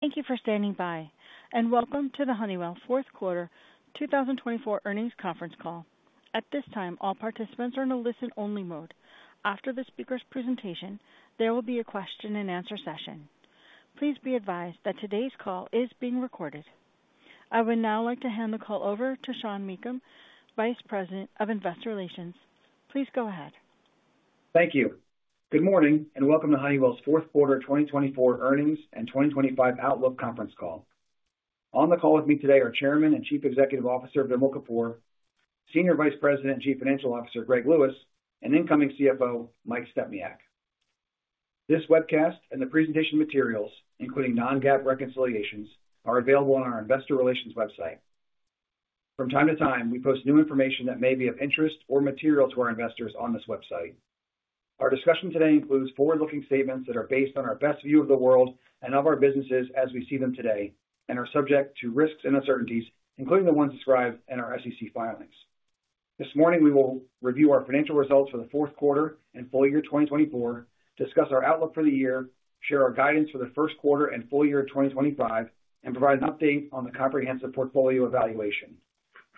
Thank you for standing by, and welcome to the Honeywell Fourth Quarter 2024 Earnings Conference Call. At this time, all participants are in a listen-only mode. After the speaker's presentation, there will be a question-and-answer session. Please be advised that today's call is being recorded. I would now like to hand the call over to Sean Meakim, Vice President of Investor Relations. Please go ahead. Thank you. Good morning, and welcome to Honeywell's Fourth Quarter 2024 Earnings and 2025 Outlook Conference Call. On the call with me today are Chairman and Chief Executive Officer Vimal Kapur, Senior Vice President and Chief Financial Officer Greg Lewis, and incoming CFO Mike Stepniak. This webcast and the presentation materials, including non-GAAP reconciliations, are available on our Investor Relations website. From time to time, we post new information that may be of interest or material to our investors on this website. Our discussion today includes forward-looking statements that are based on our best view of the world and of our businesses as we see them today, and are subject to risks and uncertainties, including the ones described in our SEC filings. This morning, we will review our financial results for the fourth quarter and full year 2024, discuss our outlook for the year, share our guidance for the first quarter and full year 2025, and provide an update on the comprehensive portfolio evaluation.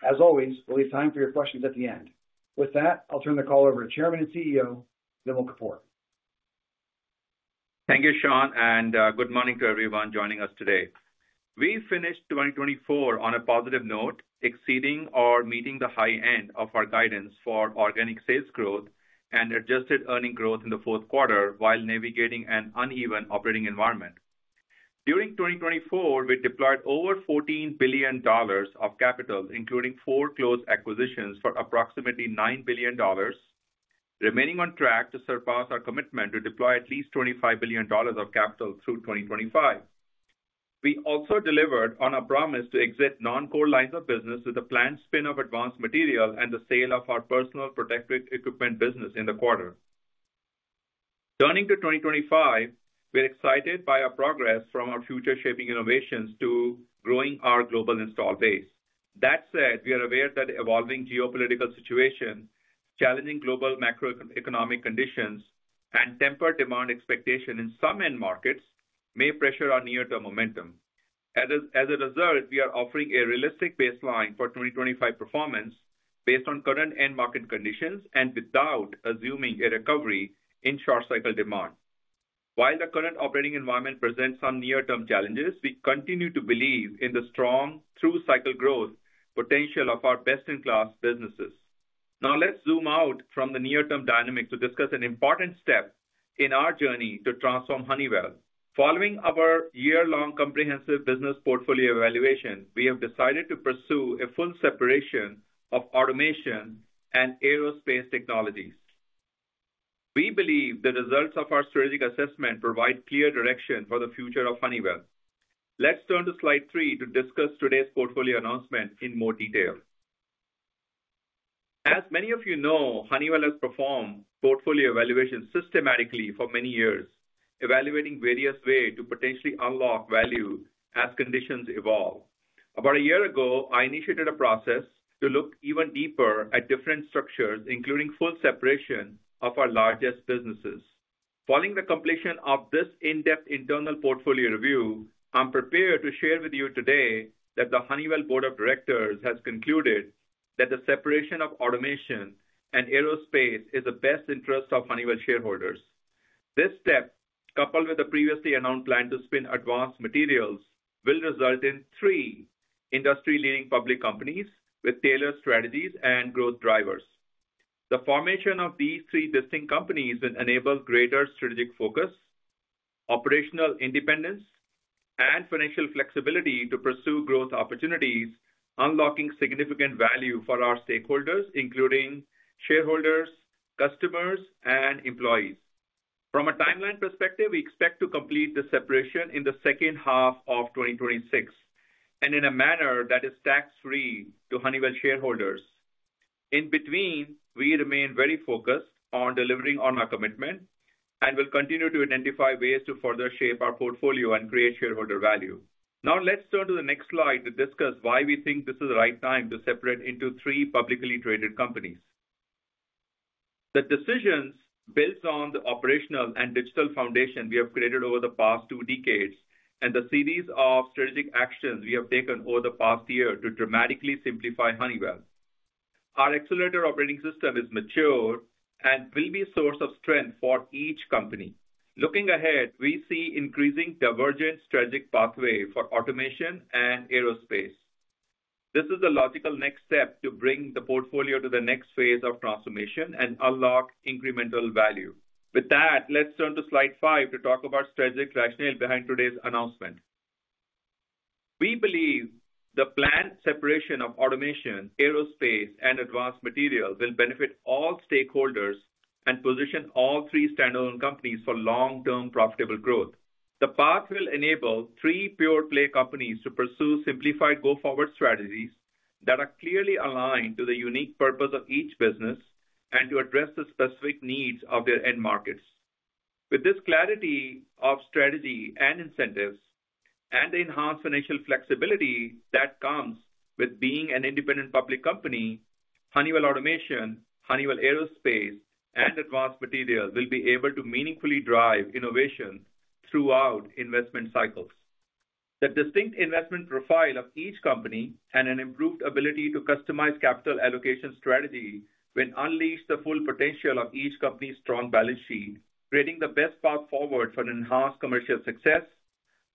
As always, we'll leave time for your questions at the end. With that, I'll turn the call over to Chairman and CEO Vimal Kapur. Thank you, Sean, and good morning to everyone joining us today. We finished 2024 on a positive note, exceeding or meeting the high end of our guidance for organic sales growth and adjusted earnings growth in the fourth quarter while navigating an uneven operating environment. During 2024, we deployed over $14 billion of capital, including four closed acquisitions for approximately $9 billion, remaining on track to surpass our commitment to deploy at least $25 billion of capital through 2025. We also delivered on a promise to exit non-core lines of business with a planned spin-off of Advanced Materials and the sale of our Personal Protective Equipment business in the quarter. Turning to 2025, we're excited by our progress from our future-shaping innovations to growing our global install base. That said, we are aware that the evolving geopolitical situation, challenging global macroeconomic conditions, and tempered demand expectation in some end markets may pressure our near-term momentum. As a result, we are offering a realistic baseline for 2025 performance based on current end market conditions and without assuming a recovery in short-cycle demand. While the current operating environment presents some near-term challenges, we continue to believe in the strong through-cycle growth potential of our best-in-class businesses. Now, let's zoom out from the near-term dynamic to discuss an important step in our journey to transform Honeywell. Following our year-long comprehensive business portfolio evaluation, we have decided to pursue a full separation of Automation and Aerospace technologies. We believe the results of our strategic assessment provide clear direction for the future of Honeywell. Let's turn to slide three to discuss today's portfolio announcement in more detail. As many of you know, Honeywell has performed portfolio evaluations systematically for many years, evaluating various ways to potentially unlock value as conditions evolve. About a year ago, I initiated a process to look even deeper at different structures, including full separation of our largest businesses. Following the completion of this in-depth internal portfolio review, I'm prepared to share with you today that the Honeywell Board of Directors has concluded that the separation of Automation and Aerospace is in the best interest of Honeywell shareholders. This step, coupled with the previously announced plan to spin Advanced Materials, will result in three industry-leading public companies with tailored strategies and growth drivers. The formation of these three distinct companies will enable greater strategic focus, operational independence, and financial flexibility to pursue growth opportunities, unlocking significant value for our stakeholders, including shareholders, customers, and employees. From a timeline perspective, we expect to complete the separation in the second half of 2026 and in a manner that is tax-free to Honeywell shareholders. In between, we remain very focused on delivering on our commitment and will continue to identify ways to further shape our portfolio and create shareholder value. Now, let's turn to the next slide to discuss why we think this is the right time to separate into three publicly traded companies. The decisions build on the operational and digital foundation we have created over the past two decades and the series of strategic actions we have taken over the past year to dramatically simplify Honeywell. Our Accelerator operating system is mature and will be a source of strength for each company. Looking ahead, we see an increasingly divergent strategic pathway for Automation and Aerospace. This is the logical next step to bring the portfolio to the next phase of transformation and unlock incremental value. With that, let's turn to slide five to talk about the strategic rationale behind today's announcement. We believe the planned separation of Automation, Aerospace, and Advanced Materials will benefit all stakeholders and position all three standalone companies for long-term profitable growth. The path will enable three pure-play companies to pursue simplified go-forward strategies that are clearly aligned to the unique purpose of each business and to address the specific needs of their end markets. With this clarity of strategy and incentives, and the enhanced financial flexibility that comes with being an independent public company, Honeywell Automation, Honeywell Aerospace, and Advanced Materials will be able to meaningfully drive innovation throughout investment cycles. The distinct investment profile of each company and an improved ability to customize capital allocation strategy will unleash the full potential of each company's strong balance sheet, creating the best path forward for enhanced commercial success,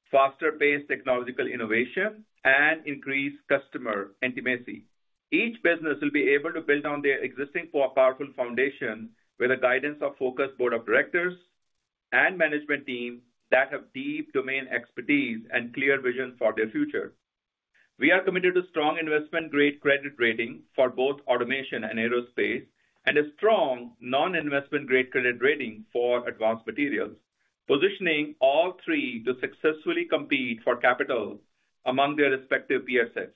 faster-paced technological innovation, and increased customer intimacy. Each business will be able to build on their existing powerful foundation with the guidance of a focused board of directors and management team that have deep domain expertise and a clear vision for their future. We are committed to strong investment-grade credit rating for both Automation and Aerospace and a strong non-investment-grade credit rating for Advanced Materials, positioning all three to successfully compete for capital among their respective peer sets.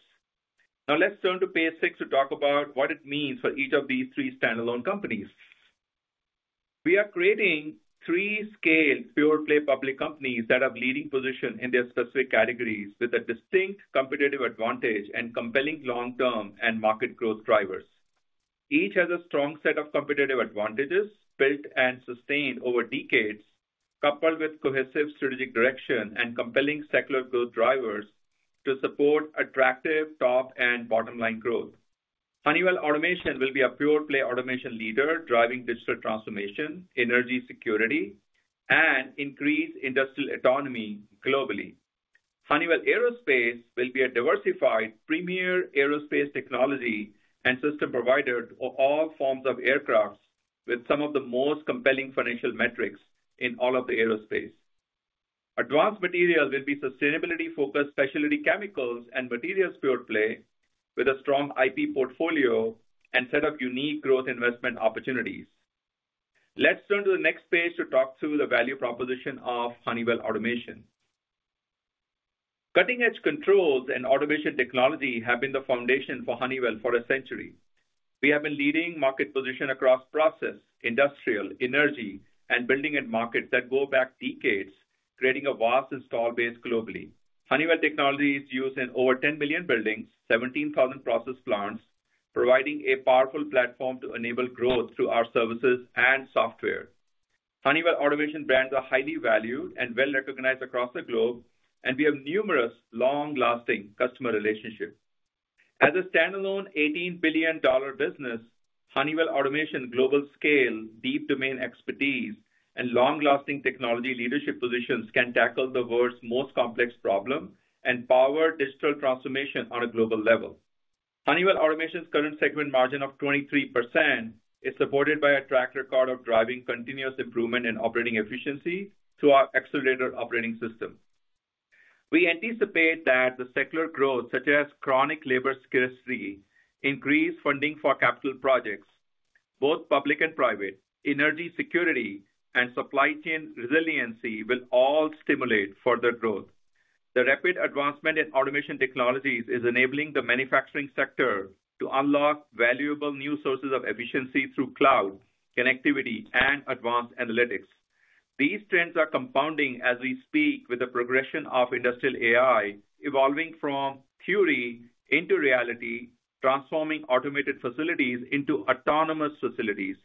Now, let's turn to page six to talk about what it means for each of these three standalone companies. We are creating three scaled pure-play public companies that have leading positions in their specific categories with a distinct competitive advantage and compelling long-term and market growth drivers. Each has a strong set of competitive advantages built and sustained over decades, coupled with cohesive strategic direction and compelling secular growth drivers to support attractive top and bottom-line growth. Honeywell Automation will be a pure-play Automation leader driving digital transformation, energy security, and industrial autonomy globally. Honeywell Aerospace will be a diversified premier Aerospace technology and system provider to all forms of aircraft with some of the most compelling financial metrics in all of the aerospace. Advanced Materials will be sustainability-focused specialty chemicals and materials pure-play with a strong IP portfolio and set of unique growth investment opportunities. Let's turn to the next page to talk through the value proposition of Honeywell Automation. Cutting-edge controls and automation technology have been the foundation for Honeywell for a century. We have been leading market positions across process, Industrial, Energy, and building end markets that go back decades, creating a vast installed base globally. Honeywell technology is used in over 10 million buildings, 17,000 process plants, providing a powerful platform to enable growth through our services and software. Honeywell Automation brands are highly valued and well-recognized across the globe, and we have numerous long-lasting customer relationships. As a standalone $18 billion business, Honeywell Automation's global scale, deep domain expertise, and long-lasting technology leadership positions can tackle the world's most complex problems and power digital transformation on a global level. Honeywell Automation's current segment margin of 23% is supported by a track record of driving continuous improvement in operating efficiency through our Accelerator operating system. We anticipate that the secular growth, such as chronic labor scarcity, increased funding for capital projects, both public and private, energy security, and supply chain resiliency will all stimulate further growth. The rapid advancement in Automation technologies is enabling the manufacturing sector to unlock valuable new sources of efficiency through cloud connectivity and advanced analytics. These trends are compounding as we speak with the progression of industrial AI evolving from theory into reality, transforming automated facilities into autonomous facilities.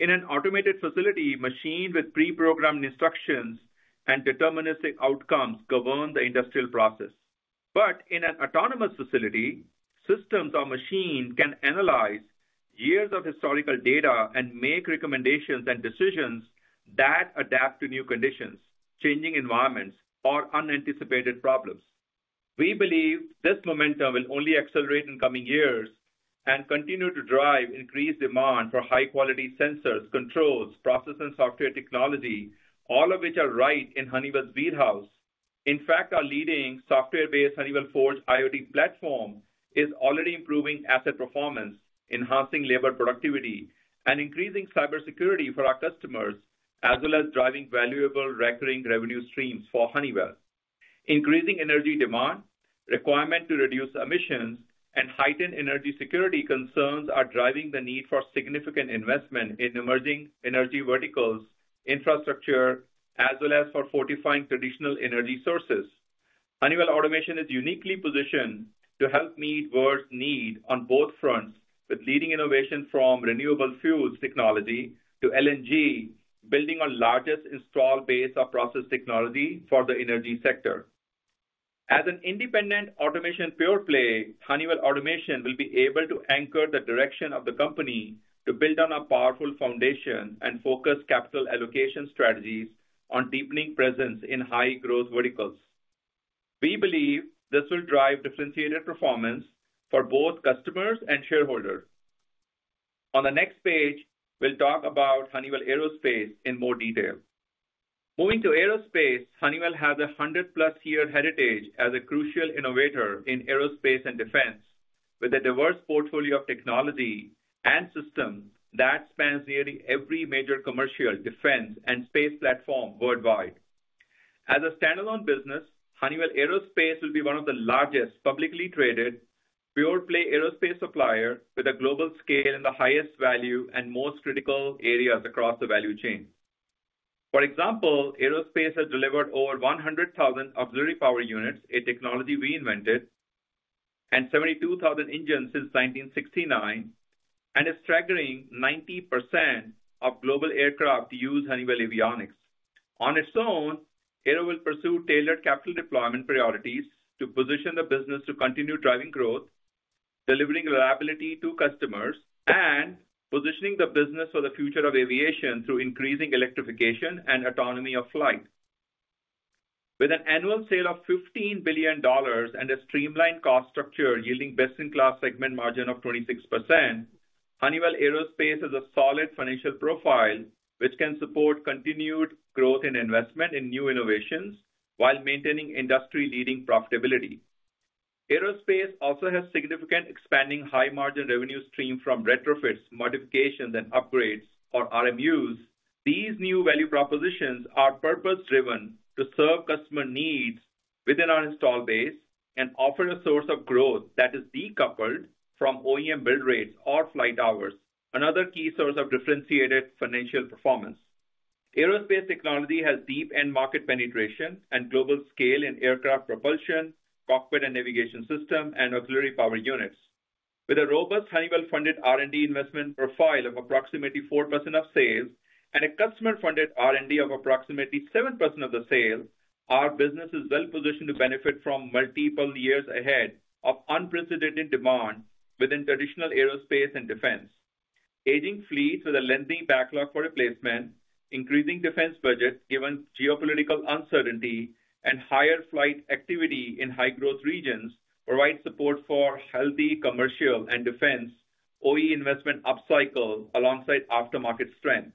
In an automated facility, machines with pre-programmed instructions and deterministic outcomes govern the industrial process. But in an autonomous facility, systems or machines can analyze years of historical data and make recommendations and decisions that adapt to new conditions, changing environments, or unanticipated problems. We believe this momentum will only accelerate in coming years and continue to drive increased demand for high-quality sensors, controls, process, and software technology, all of which are right in Honeywell's wheelhouse. In fact, our leading software-based Honeywell Forge IoT platform is already improving asset performance, enhancing labor productivity, and increasing cybersecurity for our customers, as well as driving valuable recurring revenue streams for energy demand, the requirement to reduce emissions, and heightened energy security concerns are driving the need for significant investment in emerging energy verticals, infrastructure, as well as for fortifying traditional energy sources. Honeywell Automation is uniquely positioned to help meet world's needs on both fronts, with leading innovations from renewable fuels technology to LNG, building our largest install base of process technology for the Energy sector. As an independent Automation pure-play, Honeywell Automation will be able to anchor the direction of the company to build on a powerful foundation and focus capital allocation strategies on deepening presence in high-growth verticals. We believe this will drive differentiated performance for both customers and shareholders. On the next page, we'll talk about Honeywell Aerospace in more detail. Moving to Aerospace, Honeywell has a 100-plus year heritage as a crucial innovator in Aerospace and defense, with a diverse portfolio of technology and systems that spans nearly every major commercial, defense, and space platform worldwide. As a standalone business, Honeywell Aerospace will be one of the largest publicly traded pure-play Aerospace suppliers with a global scale in the highest value and most critical areas across the value chain. For example, Aerospace has delivered over 100,000 auxiliary power units, a technology we invented, and 72,000 engines since 1969, and it's staggering 90% of global aircraft use Honeywell avionics. On its own, Aero will pursue tailored capital deployment priorities to position the business to continue driving growth, delivering reliability to customers, and positioning the business Future of Aviation through increasing electrification and autonomy of flight. With annual sales of $15 billion and a streamlined cost structure yielding best-in-class segment margin of 26%, Honeywell Aerospace has a solid financial profile which can support continued growth in investment in new innovations while maintaining industry-leading profitability. Aerospace also has significant expanding high-margin revenue streams from retrofits, modifications, and upgrades, or RMUs. These new value propositions are purpose-driven to serve customer needs within our install base and offer a source of growth that is decoupled from OEM build rates or flight hours, another key source of differentiated financial performance. Aerospace technology has deep end market penetration and global scale in aircraft propulsion, cockpit, and navigation systems, and auxiliary power units. With a robust Honeywell-funded R&D investment profile of approximately 4% of sales and a customer-funded R&D of approximately 7% of the sales, our business is well-positioned to benefit from multiple years ahead of unprecedented demand within traditional aerospace and defense. Aging fleets with a lengthy backlog for replacement, increasing defense budgets given geopolitical uncertainty and higher flight activity in high-growth regions provide support for healthy commercial and defense OE investment upcycle alongside aftermarket strength.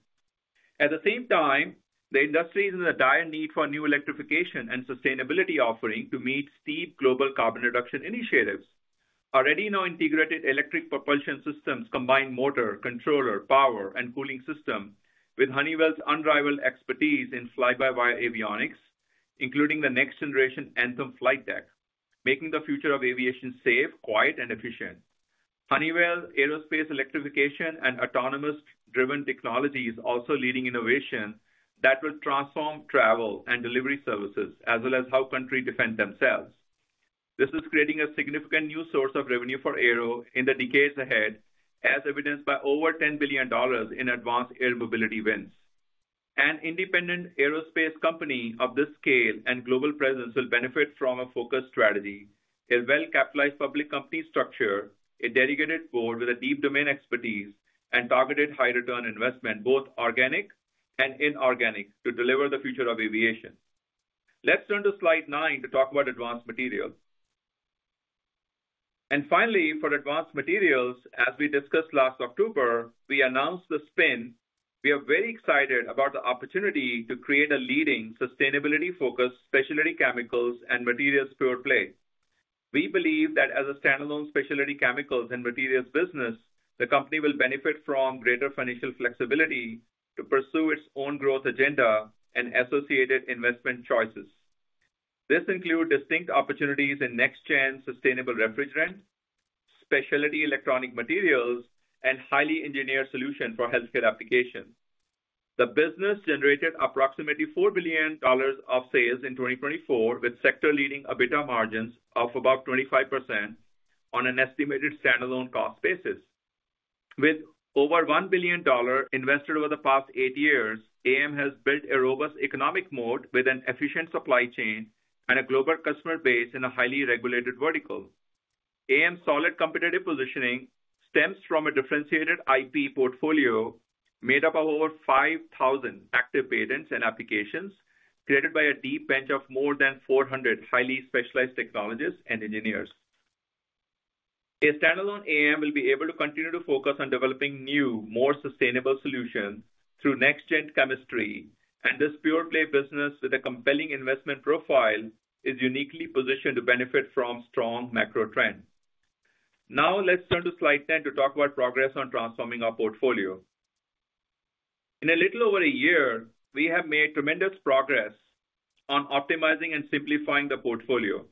At the same time, the industry is in a dire need for new electrification and sustainability offerings to meet steep global carbon reduction initiatives. Already now integrated electric propulsion systems combine motor, controller, power, and cooling system with Honeywell's unrivaled expertise in fly-by-wire avionics, including the next-generation Anthem Flight Deck, Future of Aviation safe, quiet, and efficient. Honeywell Aerospace electrification and autonomous-driven technology is also leading innovation that will transform travel and delivery services as well as how countries defend themselves. This is creating a significant new source of revenue for Aero in the decades ahead, as evidenced by over $10 billion in Advanced Air Mobility wins. An independent Aerospace company of this scale and global presence will benefit from a focused strategy, a well-capitalized public company structure, a delegated board with a deep domain expertise, and targeted high-return investment, both organic and inorganic, to Future of Aviation. let's turn to slide nine to talk about Advanced Materials. And finally, for Advanced Materials, as we discussed last October, we announced the spin. We are very excited about the opportunity to create a leading sustainability-focused specialty chemicals and materials pure-play. We believe that as a standalone specialty chemicals and materials business, the company will benefit from greater financial flexibility to pursue its own growth agenda and associated investment choices. This includes distinct opportunities in next-gen sustainable refrigerant, specialty Electronic Materials, and highly engineered solutions for healthcare applications. The business generated approximately $4 billion of sales in 2024 with sector-leading EBITDA margins of about 25% on an estimated standalone cost basis. With over $1 billion invested over the past eight years, AM has built a robust economic moat with an efficient supply chain and a global customer base in a highly regulated vertical. AM's solid competitive positioning stems from a differentiated IP portfolio made up of over 5,000 active patents and applications created by a deep bench of more than 400 highly specialized technologists and engineers. A standalone AM will be able to continue to focus on developing new, more sustainable solutions through next-gen chemistry, and this pure-play business with a compelling investment profile is uniquely positioned to benefit from strong macro trends. Now, let's turn to slide 10 to talk about progress on transforming our portfolio. In a little over a year, we have made tremendous progress on optimizing and simplifying the portfolio.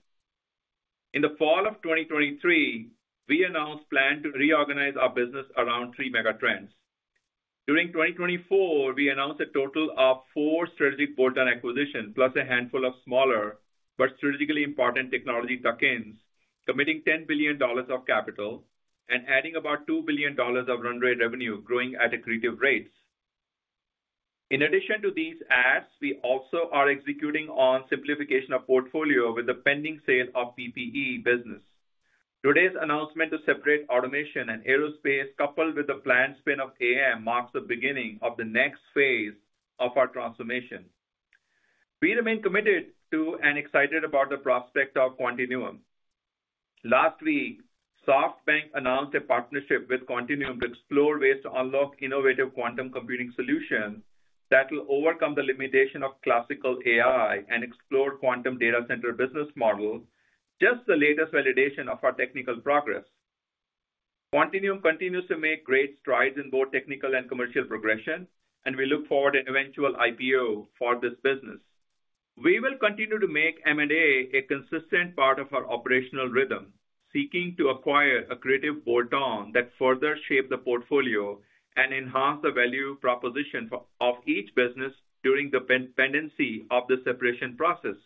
In the fall of 2023, we announced a plan to reorganize our business around three mega trends. During 2024, we announced a total of four strategic bolt-on acquisitions, plus a handful of smaller but strategically important technology tuck-ins, committing $10 billion of capital and adding about $2 billion of run-rate revenue growing at accretive rates. In addition to these adds, we also are executing on simplification of portfolio with the pending sale of PPE business. Today's announcement to separate Automation and Aerospace, coupled with the planned spin-off of AM, marks the beginning of the next phase of our transformation. We remain committed to and excited about the prospect of Quantinuum. Last week, SoftBank announced a partnership with Quantinuum to explore ways to unlock innovative quantum computing solutions that will overcome the limitations of classical AI and explore quantum data center business models, just the latest validation of our technical progress. Quantinuum continues to make great strides in both technical and commercial progression, and we look forward to an eventual IPO for this business. We will continue to make M&A a consistent part of our operational rhythm, seeking to acquire a creative bolt-on that further shapes the portfolio and enhances the value proposition of each business during the pendency of the separation process.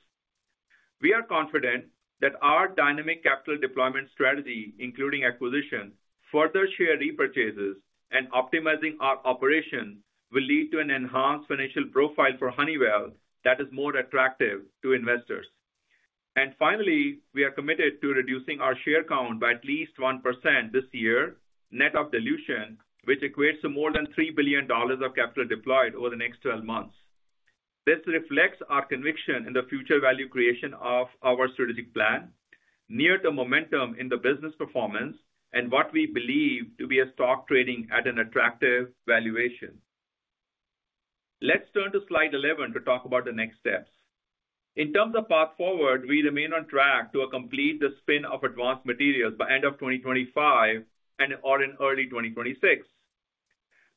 We are confident that our dynamic capital deployment strategy, including acquisition, further share repurchases, and optimizing our operations will lead to an enhanced financial profile for Honeywell that is more attractive to investors. And finally, we are committed to reducing our share count by at least 1% this year net of dilution, which equates to more than $3 billion of capital deployed over the next 12 months. This reflects our conviction in the future value creation of our strategic plan, near to momentum in the business performance, and what we believe to be stock trading at an attractive valuation. Let's turn to slide 11 to talk about the next steps. In terms of path forward, we remain on track to complete the spin of Advanced Materials by the end of 2025 and/or in early 2026.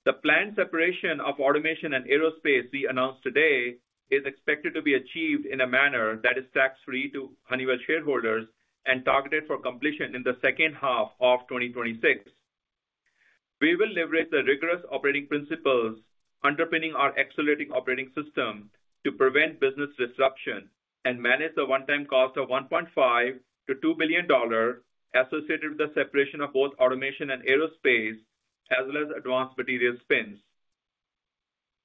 The planned separation of Automation and Aerospace we announced today is expected to be achieved in a manner that is tax-free to Honeywell shareholders and targeted for completion in the second half of 2026. We will leverage the rigorous operating principles underpinning our Accelerator operating system to prevent business disruption and manage the one-time cost of $1.5-$2 billion associated with the separation of both Automation and Aerospace as well as Advanced Materials spins.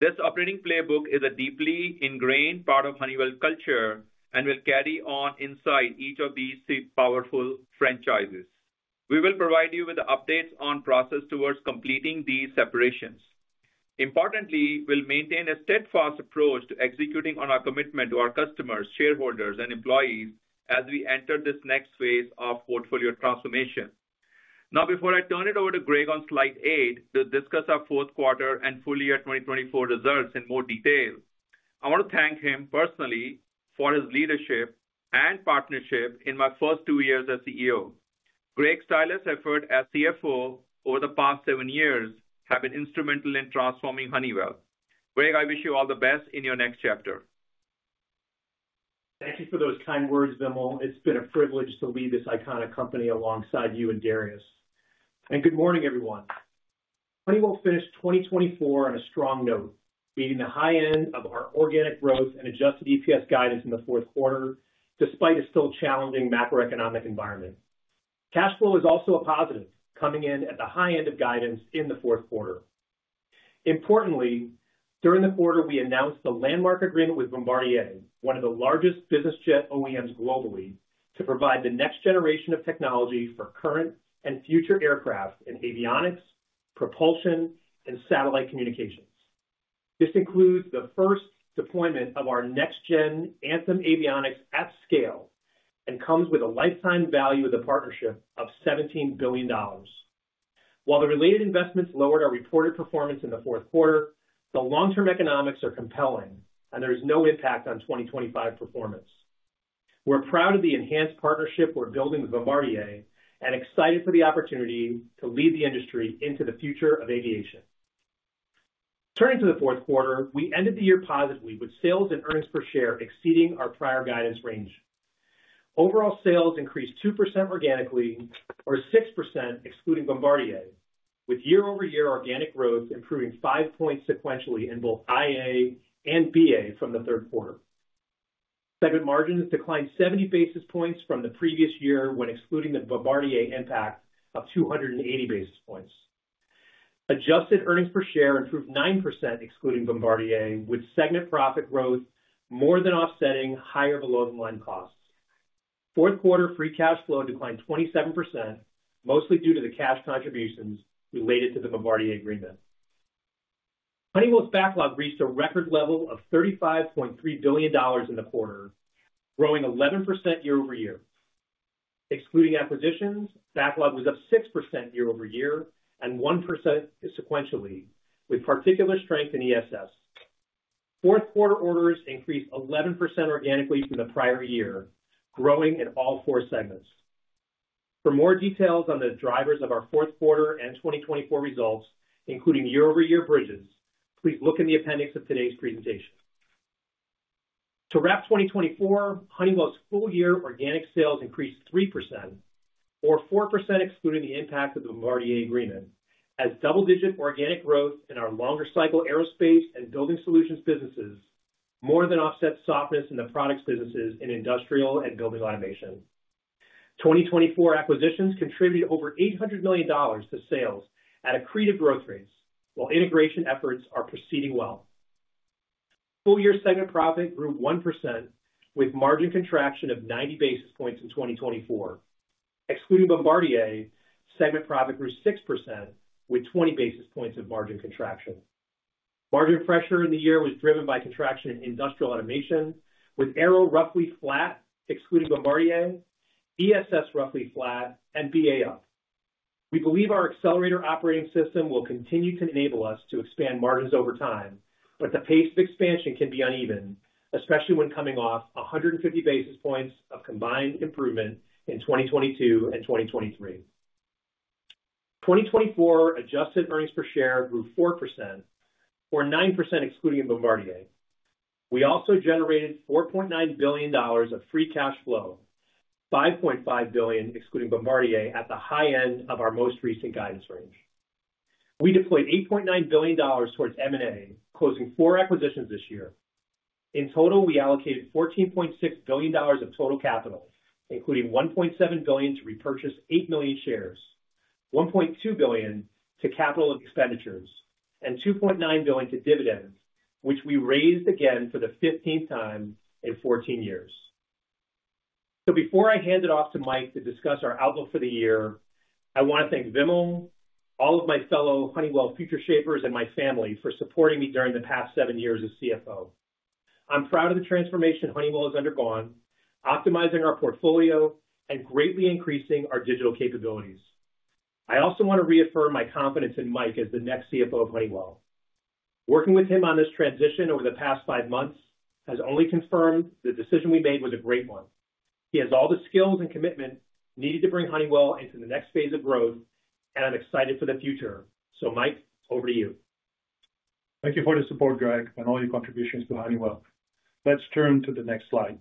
This operating playbook is a deeply ingrained part of Honeywell culture and will carry on inside each of these three powerful franchises. We will provide you with updates on process towards completing these separations. Importantly, we'll maintain a steadfast approach to executing on our commitment to our customers, shareholders, and employees as we enter this next phase of portfolio transformation. Now, before I turn it over to Greg on slide 8 to discuss our fourth quarter and full year 2024 results in more detail, I want to thank him personally for his leadership and partnership in my first two years as CEO. Greg Lewis's effort as CFO over the past seven years has been instrumental in transforming Honeywell. Greg, I wish you all the best in your next chapter. Thank you for those kind words, Vimal. It's been a privilege to lead this iconic company alongside you and Darius. Good morning, everyone. Honeywell finished 2024 on a strong note, meeting the high end of our organic growth and adjusted EPS guidance in the fourth quarter despite a still challenging macroeconomic environment. Cash flow is also a positive, coming in at the high end of guidance in the fourth quarter. Importantly, during the quarter, we announced the landmark agreement with Bombardier, one of the largest business jet OEMs globally, to provide the next generation of technology for current and future aircraft in avionics, propulsion, and satellite communications. This includes the first deployment of our next-gen Anthem Flight Deck at scale and comes with a lifetime value of the partnership of $17 billion. While the related investments lowered our reported performance in the fourth quarter, the long-term economics are compelling, and there is no impact on 2025 performance. We're proud of the enhanced partnership we're building with Bombardier and excited for the opportunity to lead the industry Future of Aviation. turning to the fourth quarter, we ended the year positively with sales and earnings per share exceeding our prior guidance range. Overall sales increased 2% organically or 6% excluding Bombardier, with year-over-year organic growth improving five points sequentially in both IA and BA from the third quarter. Segment margins declined 70 basis points from the previous year when excluding the Bombardier impact of 280 basis points. Adjusted earnings per share improved 9% excluding Bombardier, with segment profit growth more than offsetting higher below-the-line costs. Fourth quarter free cash flow declined 27%, mostly due to the cash contributions related to the Bombardier agreement. Honeywell's backlog reached a record level of $35.3 billion in the quarter, growing 11% year-over-year. Excluding acquisitions, backlog was up 6% year-over-year and 1% sequentially, with particular strength in ESS. Fourth quarter orders increased 11% organically from the prior year, growing in all four segments. For more details on the drivers of our fourth quarter and 2024 results, including year-over-year bridges, please look in the appendix of today's presentation. To wrap 2024, Honeywell's full year organic sales increased 3% or 4% excluding the impact of the Bombardier agreement, as double-digit organic growth in our longer-cycle Aerospace and Building Solutions businesses more than offsets softness in the products businesses in Industrial and Building Automation. 2024 acquisitions contributed over $800 million to sales at accretive growth rates, while integration efforts are proceeding well. Full year segment profit grew 1% with margin contraction of 90 basis points in 2024. Excluding Bombardier, segment profit grew 6% with 20 basis points of margin contraction. Margin pressure in the year was driven by Industrial Automation, with Aero roughly flat excluding Bombardier, ESS roughly flat, and BA up. We believe our Accelerator operating system will continue to enable us to expand margins over time, but the pace of expansion can be uneven, especially when coming off 150 basis points of combined improvement in 2022 and 2023. 2024 adjusted earnings per share grew 4% or 9% excluding Bombardier. We also generated $4.9 billion of free cash flow, $5.5 billion excluding Bombardier, at the high end of our most recent guidance range. We deployed $8.9 billion towards M&A, closing four acquisitions this year. In total, we allocated $14.6 billion of total capital, including $1.7 billion to repurchase eight million shares, $1.2 billion to capital expenditures, and $2.9 billion to dividends, which we raised again for the 15th time in 14 years. So before I hand it off to Mike to discuss our outlook for the year, I want to thank Vimal, all of my fellow Honeywell future shapers, and my family for supporting me during the past seven years as CFO. I'm proud of the transformation Honeywell has undergone, optimizing our portfolio and greatly increasing our digital capabilities. I also want to reaffirm my confidence in Mike as the next CFO of Honeywell. Working with him on this transition over the past five months has only confirmed the decision we made was a great one. He has all the skills and commitment needed to bring Honeywell into the next phase of growth, and I'm excited for the future. So Mike, over to you. Thank you for the support, Greg, and all your contributions to Honeywell. Let's turn to the next slide.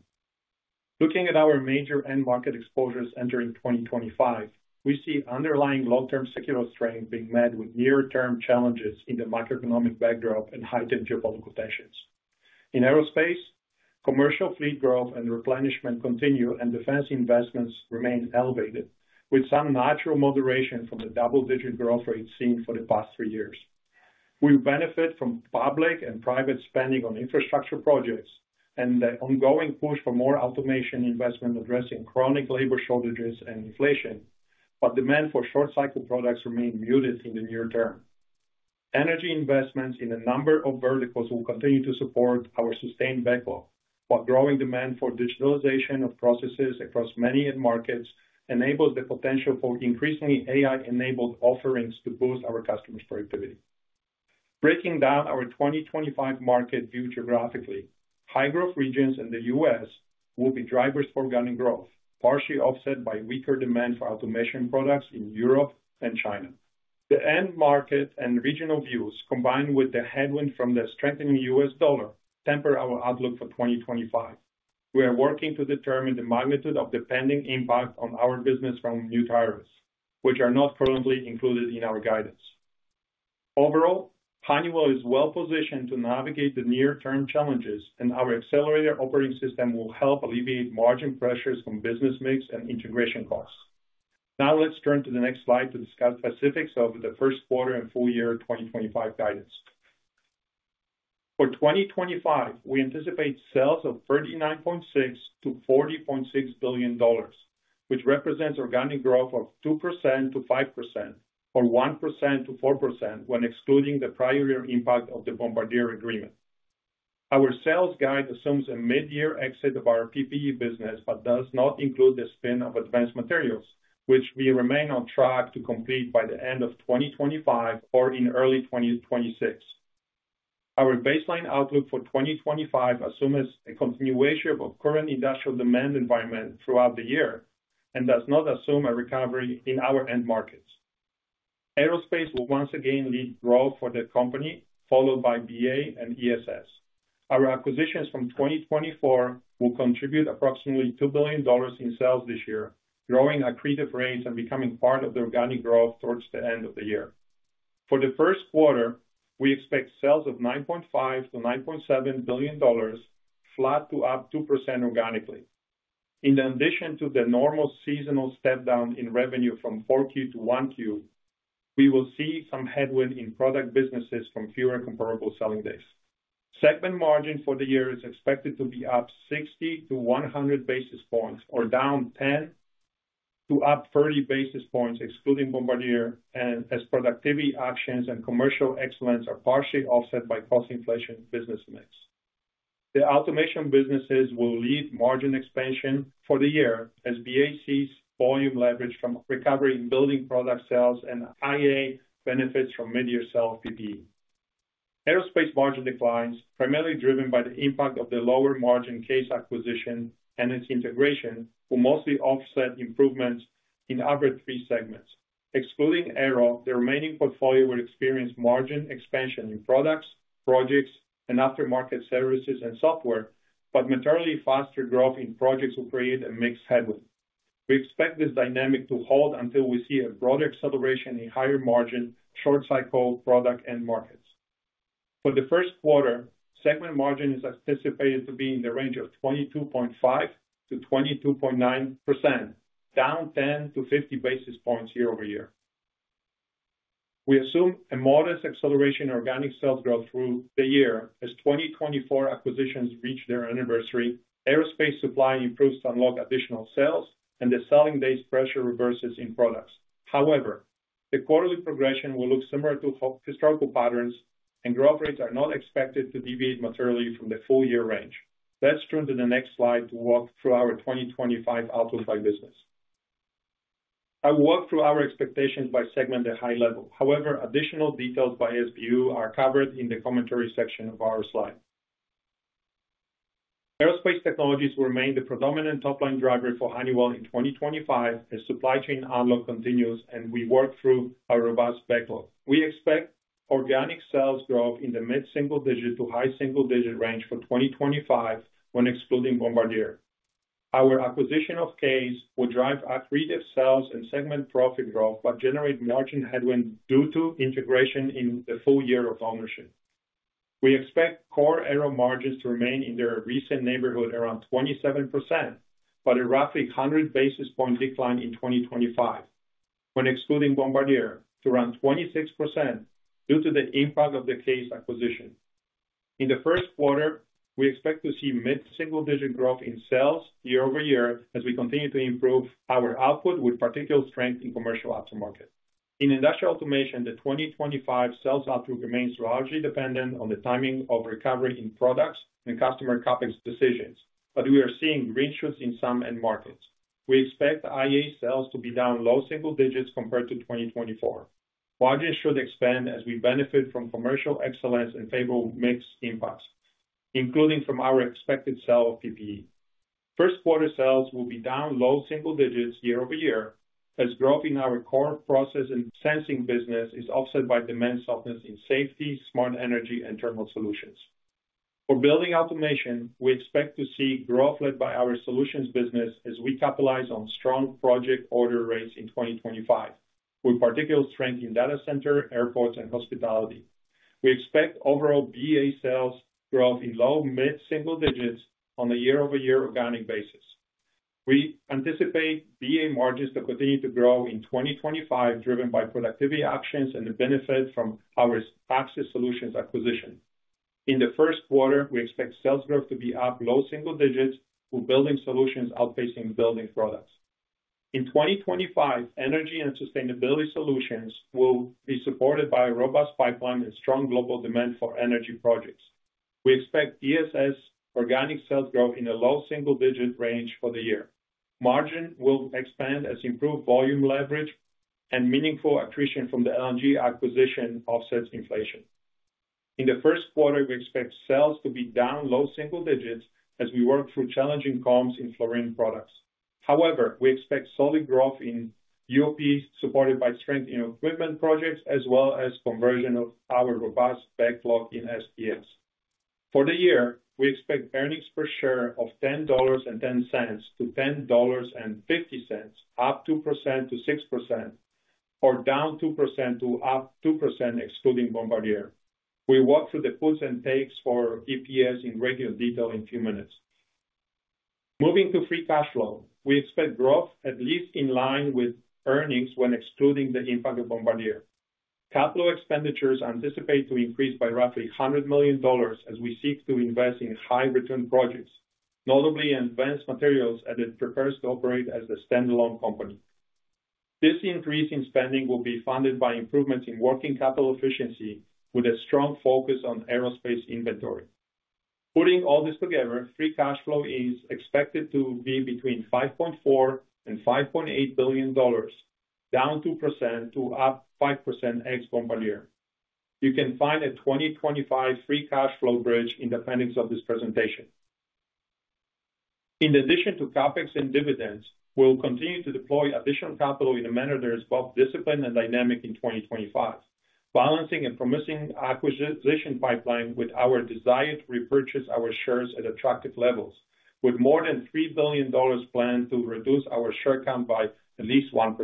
Looking at our major end market exposures entering 2025, we see underlying long-term secular trends being met with near-term challenges in the macroeconomic backdrop and heightened geopolitical tensions. In Aerospace, commercial fleet growth and replenishment continue, and defense investments remain elevated, with some natural moderation from the double-digit growth rates seen for the past three years. We benefit from public and private spending on infrastructure projects and the ongoing push for more automation investment addressing chronic labor shortages and inflation, but demand for short-cycle products remains muted in the near term energy investments in a number of verticals will continue to support our sustained backlog, while growing demand for digitalization of processes across many end markets enables the potential for increasingly AI-enabled offerings to boost our customers' productivity. Breaking down our 2025 market view geographically, high-growth regions in the U.S. will be drivers for ongoing growth, partially offset by weaker demand for automation products in Europe and China. The end market and regional views, combined with the headwind from the strengthening U.S. dollar, temper our outlook for 2025. We are working to determine the magnitude of the pending impact on our business from new tariffs, which are not currently included in our guidance. Overall, Honeywell is well-positioned to navigate the near-term challenges, and our Accelerator operating system will help alleviate margin pressures from business mix and integration costs. Now, let's turn to the next slide to discuss specifics of the first quarter and full year 2025 guidance. For 2025, we anticipate sales of $39.6-$40.6 billion, which represents organic growth of 2%-5% or 1%-4% when excluding the prior year impact of the Bombardier agreement. Our sales guide assumes a mid-year exit of our PPE business but does not include the spin of Advanced Materials, which we remain on track to complete by the end of 2025 or in early 2026. Our baseline outlook for 2025 assumes a continuation of current industrial demand environment throughout the year and does not assume a recovery in our end markets. Aerospace will once again lead growth for the company, followed by BA and ESS. Our acquisitions from 2024 will contribute approximately $2 billion in sales this year, growing accretive rates and becoming part of the organic growth towards the end of the year. For the first quarter, we expect sales of $9.5-$9.7 billion, flat to up 2% organically. In addition to the normal seasonal step-down in revenue from 4Q to 1Q, we will see some headwind in product businesses from fewer comparable selling days. Segment margin for the year is expected to be up 60-100 basis points or down 10 to up 30 basis points excluding Bombardier, as productivity actions and commercial excellence are partially offset by cost inflation business mix. The Automation businesses will lead margin expansion for the year as BA sees volume leverage from recovery in building product sales and IA benefits from mid-year sale of PPE. Aerospace margin declines, primarily driven by the impact of the lower margin CAES acquisition and its integration, will mostly offset improvements in other three segments. Excluding Aero, the remaining portfolio will experience margin expansion in products, projects, and aftermarket services and software, but materially faster growth in projects will create a mixed headwind. We expect this dynamic to hold until we see a broader acceleration in higher margin, short-cycle product end markets. For the first quarter, segment margin is anticipated to be in the range of 22.5%-22.9%, down 10-50 basis points year-over-year. We assume a modest acceleration in organic sales growth through the year as 2024 acquisitions reach their anniversary, Aerospace supply improves to unlock additional sales, and the selling days pressure reverses in products. However, the quarterly progression will look similar to historical patterns, and growth rates are not expected to deviate materially from the full year range. Let's turn to the next slide to walk through our 2025 outlook by business. I will walk through our expectations by segment at high level. However, additional details by SBU are covered in the commentary section of our slide. Aerospace Technologies will remain the predominant top-line driver for Honeywell in 2025 as supply chain outlook continues and we work through our robust backlog. We expect organic sales growth in the mid-single-digit to high single-digit range for 2025 when excluding Bombardier. Our acquisition of CAES will drive accretive sales and segment profit growth but generate margin headwind due to integration in the full year of ownership. We expect core Aero margins to remain in their recent neighborhood around 27%, but a roughly 100 basis points decline in 2025 when excluding Bombardier to around 26% due to the impact of the CAES acquisition. In the first quarter, we expect to see mid-single-digit growth in sales year-over-year as we continue to improve our output with particular strength commercial. Industrial Automation, the 2025 sales outlook remains largely dependent on the timing of recovery in products and customer CapEx decisions, but we are seeing green shoots in some end markets. We expect IA sales to be down low single digits compared to 2024. Margins should expand as we benefit from commercial excellence and favorable mix impacts, including from our expected sale of PPE. First quarter sales will be down low single digits year-over-year as growth in our core process and sensing business is offset by demand softness in safety, Smart Energy, and Thermal Solutions. For Building Automation, we expect to see growth led by our solutions business as we capitalize on strong project order rates in 2025, with particular strength in data center, airports, and hospitality. We expect overall BA sales growth in low mid-single digits on a year-over-year organic basis. We anticipate BA margins to continue to grow in 2025, driven by productivity actions and the benefit from our Access Solutions acquisition. In the first quarter, we expect sales growth to be up low single digits with Building Solutions outpacing Building Products. In 2025, Energy and sustainability solutions will be supported by a robust pipeline and strong global demand for energy projects. We expect ESS organic sales growth in a low single-digit range for the year. Margin will expand as improved volume leverage and meaningful accretion from the LNG acquisition offsets inflation. In the first quarter, we expect sales to be down low single digits as we work through challenging comps in Fluorine Products. However, we expect solid growth in UOP supported by strength in equipment projects as well as conversion of our robust backlog in STS. For the year, we expect earnings per share of $10.10-$10.50, up 2%-6%, or down 2% to up 2% excluding Bombardier. We walk through the puts and takes for EPS in regular detail in a few minutes. Moving to free cash flow, we expect growth at least in line with earnings when excluding the impact of Bombardier. Capital expenditures anticipate to increase by roughly $100 million as we seek to invest in high-return projects, notably Advanced Materials as it prepares to operate as a standalone company. This increase in spending will be funded by improvements in working capital efficiency with a strong focus on Aerospace inventory. Putting all this together, free cash flow is expected to be between $5.4 and $5.8 billion, down 2% to up 5% ex Bombardier. You can find a 2025 free cash flow bridge in the appendix of this presentation. In addition to CapEx and dividends, we'll continue to deploy additional capital in a manner that is both disciplined and dynamic in 2025, balancing a promising acquisition pipeline with our desired repurchase of our shares at attractive levels, with more than $3 billion planned to reduce our share count by at least 1%.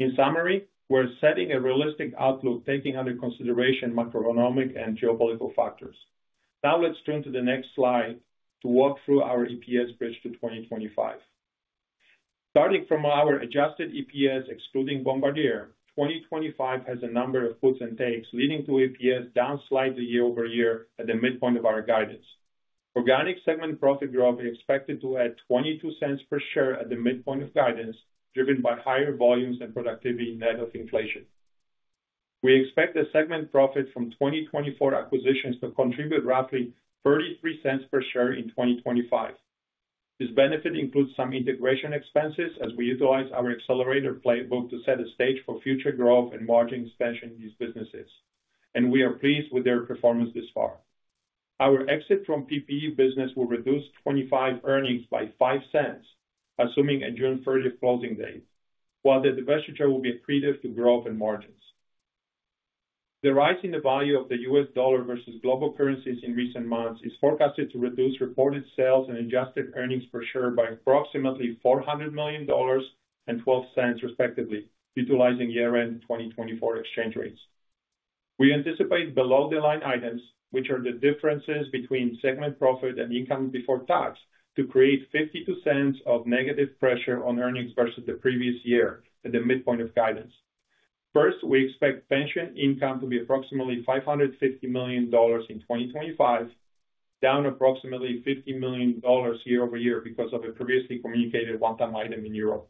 In summary, we're setting a realistic outlook taking under consideration macroeconomic and geopolitical factors. Now, let's turn to the next slide to walk through our EPS bridge to 2025. Starting from our adjusted EPS excluding Bombardier, 2025 has a number of puts and takes leading to EPS downslide year-over-year at the midpoint of our guidance. Organic segment profit growth is expected to add $0.22 per share at the midpoint of guidance, driven by higher volumes and productivity net of inflation. We expect the segment profit from 2024 acquisitions to contribute roughly $0.33 per share in 2025. This benefit includes some integration expenses as we utilize our Accelerator playbook to set a stage for future growth and margin expansion in these businesses, and we are pleased with their performance thus far. Our exit from PPE business will reduce 2025 earnings by $0.05, assuming a June 30 closing date, while the divestiture will be accretive to growth and margins. The rise in the value of the US dollar versus global currencies in recent months is forecasted to reduce reported sales and adjusted earnings per share by approximately $400 million and $0.12 respectively, utilizing year-end 2024 exchange rates. We anticipate below-the-line items, which are the differences between segment profit and income before tax, to create $0.52 of negative pressure on earnings versus the previous year at the midpoint of guidance. First, we expect pension income to be approximately $550 million in 2025, down approximately $50 million year-over-year because of a previously communicated one-time item in Europe.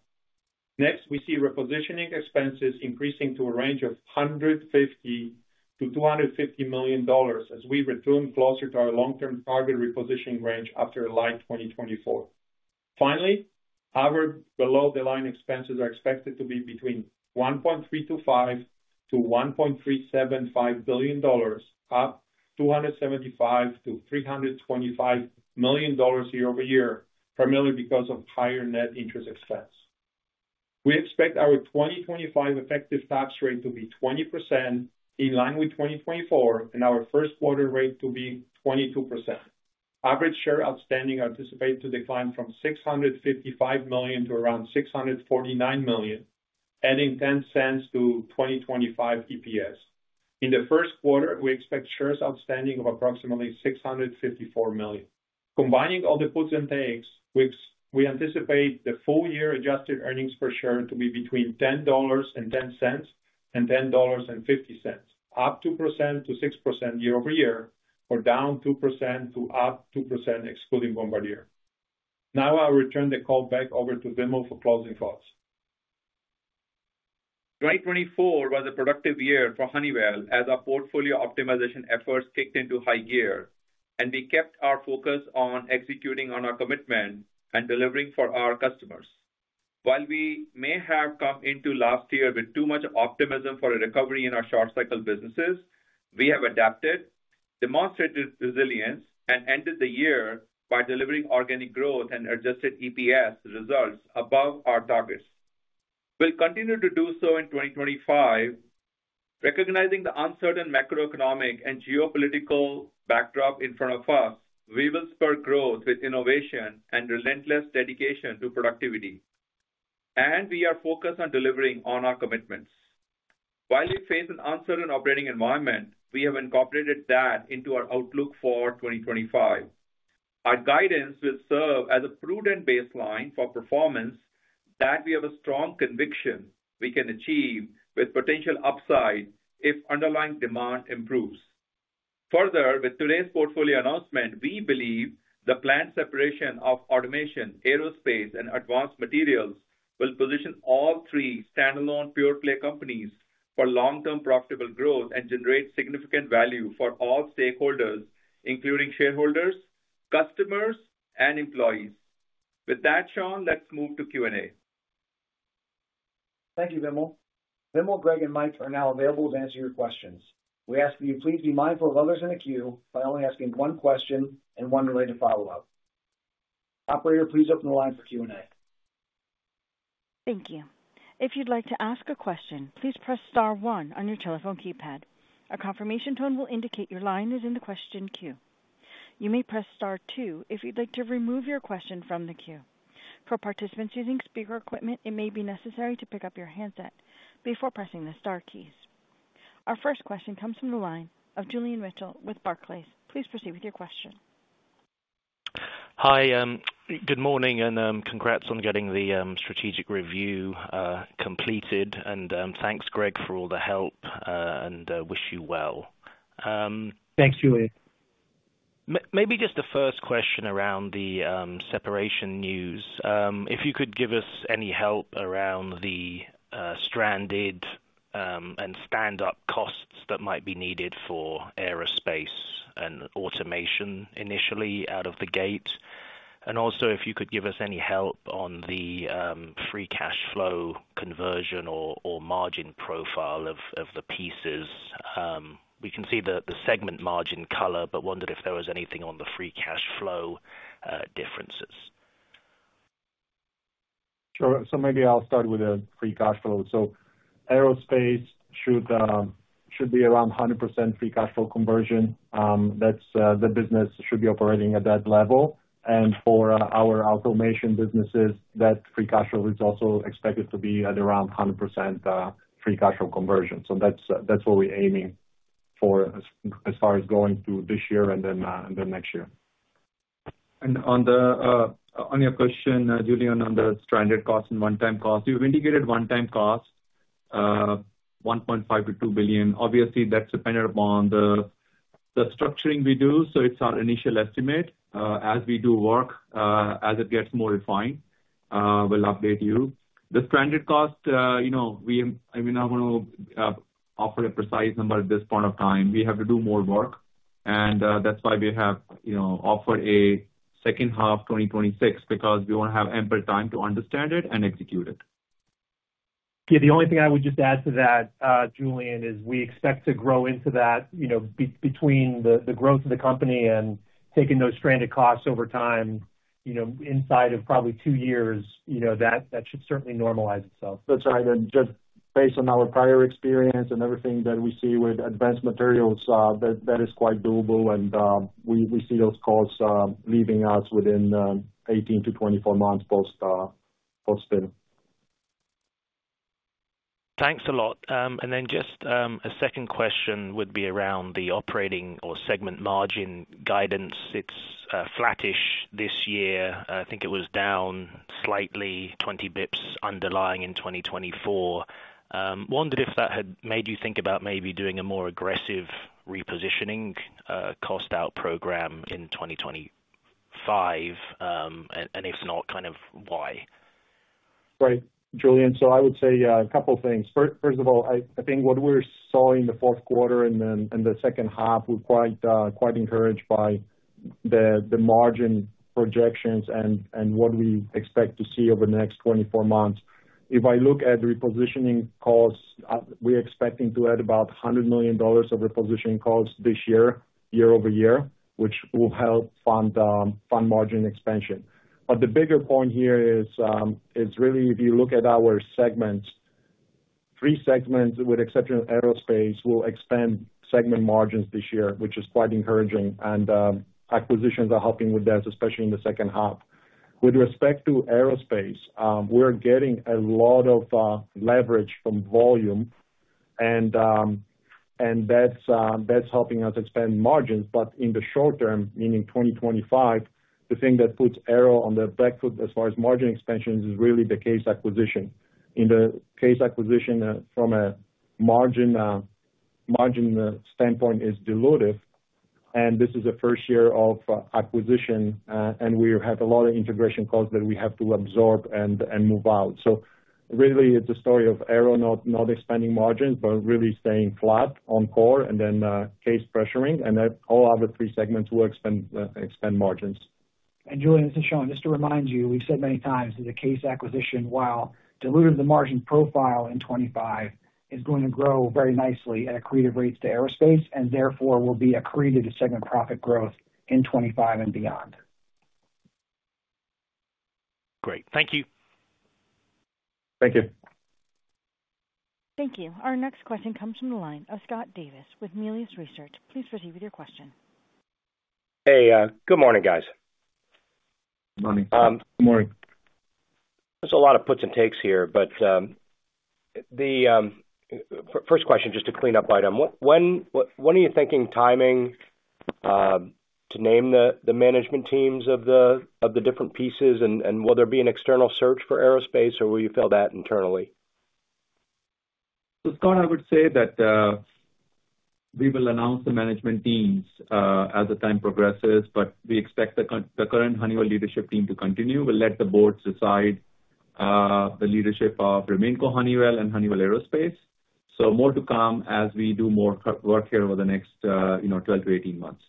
Next, we see repositioning expenses increasing to a range of $150-$250 million as we return closer to our long-term target repositioning range after late 2024. Finally, our below-the-line expenses are expected to be between $1.325-$1.375 billion, up $275-$325 million year-over-year, primarily because of higher net interest expense. We expect our 2025 effective tax rate to be 20% in line with 2024 and our first quarter rate to be 22%. Average shares outstanding anticipated to decline from 655 million to around 649 million, adding $0.10 to 2025 EPS. In the first quarter, we expect shares outstanding of approximately 654 million. Combining all the puts and takes, we anticipate the full year adjusted earnings per share to be between $10.10 and $10.50, up 2% to 6% year-over-year, or down 2% to up 2% excluding Bombardier. Now, I'll return the call back over to Vimal for closing thoughts. 2024 was a productive year for Honeywell as our portfolio optimization efforts kicked into high gear, and we kept our focus on executing on our commitment and delivering for our customers. While we may have come into last year with too much optimism for a recovery in our short-cycle businesses, we have adapted, demonstrated resilience, and ended the year by delivering organic growth and adjusted EPS results above our targets. We'll continue to do so in 2025. Recognizing the uncertain macroeconomic and geopolitical backdrop in front of us, we will spur growth with innovation and relentless dedication to productivity, and we are focused on delivering on our commitments. While we face an uncertain operating environment, we have incorporated that into our outlook for 2025. Our guidance will serve as a prudent baseline for performance that we have a strong conviction we can achieve with potential upside if underlying demand improves. Further, with today's portfolio announcement, we believe the planned separation of Automation, Aerospace, and Advanced Materials will position all three standalone pure-play companies for long-term profitable growth and generate significant value for all stakeholders, including shareholders, customers, and employees. With that, Sean, let's move to Q&A. Thank you, Vimal. Vimal, Greg, and Mike are now available to answer your questions. We ask that you please be mindful of others in the queue by only asking one question and one related follow-up. Operator, please open the line for Q&A. Thank you. If you'd like to ask a question, please press Star 1 on your telephone keypad. A confirmation tone will indicate your line is in the question queue. You may press Star 2 if you'd like to remove your question from the queue. For participants using speaker equipment, it may be necessary to pick up your handset before pressing the Star keys. Our first question comes from the line of Julian Mitchell with Barclays. Please proceed with your question. Hi, good morning, and congrats on getting the strategic review completed, and thanks, Greg, for all the help and wish you well. Thanks, Julian. Maybe just the first question around the separation news. If you could give us any help around the stranded and stand-up costs that might be needed for Aerospace and Automation initially out of the gate. And also, if you could give us any help on the free cash flow conversion or margin profile of the pieces. We can see the segment margin color, but wondered if there was anything on the free cash flow differences. Sure, so maybe I'll start with the free cash flow. Aerospace should be around 100% free cash flow conversion. That's the business that should be operating at that level. And for our Automation businesses, that free cash flow is also expected to be at around 100% free cash flow conversion. So that's what we're aiming for as far as going through this year and then next year. And on your question, Julian, on the stranded cost and one-time cost, you've indicated one-time cost, $1.5-$2 billion. Obviously, that's dependent upon the structuring we do. So it's our initial estimate. As we do work, as it gets more refined, we'll update you. The stranded cost, I mean, I'm going to offer a precise number at this point of time. We have to do more work. And that's why we have offered a second half 2026 because we won't have ample time to understand it and execute it. Yeah, the only thing I would just add to that, Julian, is we expect to grow into that between the growth of the company and taking those stranded costs over time inside of probably two years. That should certainly normalize itself. That's right. And just based on our prior experience and everything that we see with Advanced Materials, that is quite doable. And we see those costs leaving us within 18-24 months post-spin. Thanks a lot. And then just a second question would be around the operating or segment margin guidance. It's flattish this year. I think it was down slightly, 20 basis points underlying in 2024. Wondered if that had made you think about maybe doing a more aggressive repositioning cost-out program in 2025. And if not, kind of why? Right. Julian, so I would say a couple of things. First of all, I think what we saw in the fourth quarter and the second half. We were quite encouraged by the margin projections and what we expect to see over the next 24 months. If I look at repositioning costs, we're expecting to add about $100 million of repositioning costs this year, year-over-year, which will help fund margin expansion. But the bigger point here is really if you look at our segments, three segments, with exceptional Aerospace, will expand segment margins this year, which is quite encouraging. And acquisitions are helping with that, especially in the second half. With respect to Aerospace, we're getting a lot of leverage from volume, and that's helping us expand margins. But in the short term, meaning 2025, the thing that puts Aero on the back foot as far as margin expansion is really the CAES acquisition. In the CAES acquisition, from a margin standpoint, is dilutive, and this is a first year of acquisition, and we have a lot of integration costs that we have to absorb and work out. So really, it's a story of Aero not expanding margins, but really staying flat on core and then CAES pressuring, and all other three segments will expand margins, and Julian, this is Sean. Just to remind you, we've said many times that the CAES acquisition, while diluted the margin profile in 2025, is going to grow very nicely at accretive rates to Aerospace and therefore will be accretive to segment profit growth in 2025 and beyond. Great. Thank you. Thank you. Thank you. Our next question comes from the line of Scott Davis with Melius Research. Please proceed with your question. Hey, good morning, guys. Good morning. Good morning. There's a lot of puts and takes here, but the first question, just to clean up item, when are you thinking timing to name the management teams of the different pieces? And will there be an external search for Aerospace, or will you fill that internally? So Scott, I would say that we will announce the management teams as the time progresses, but we expect the current Honeywell leadership team to continue. We'll let the boards decide the leadership of remaining Honeywell and Honeywell Aerospace. So more to come as we do more work here over the next 12-18 months.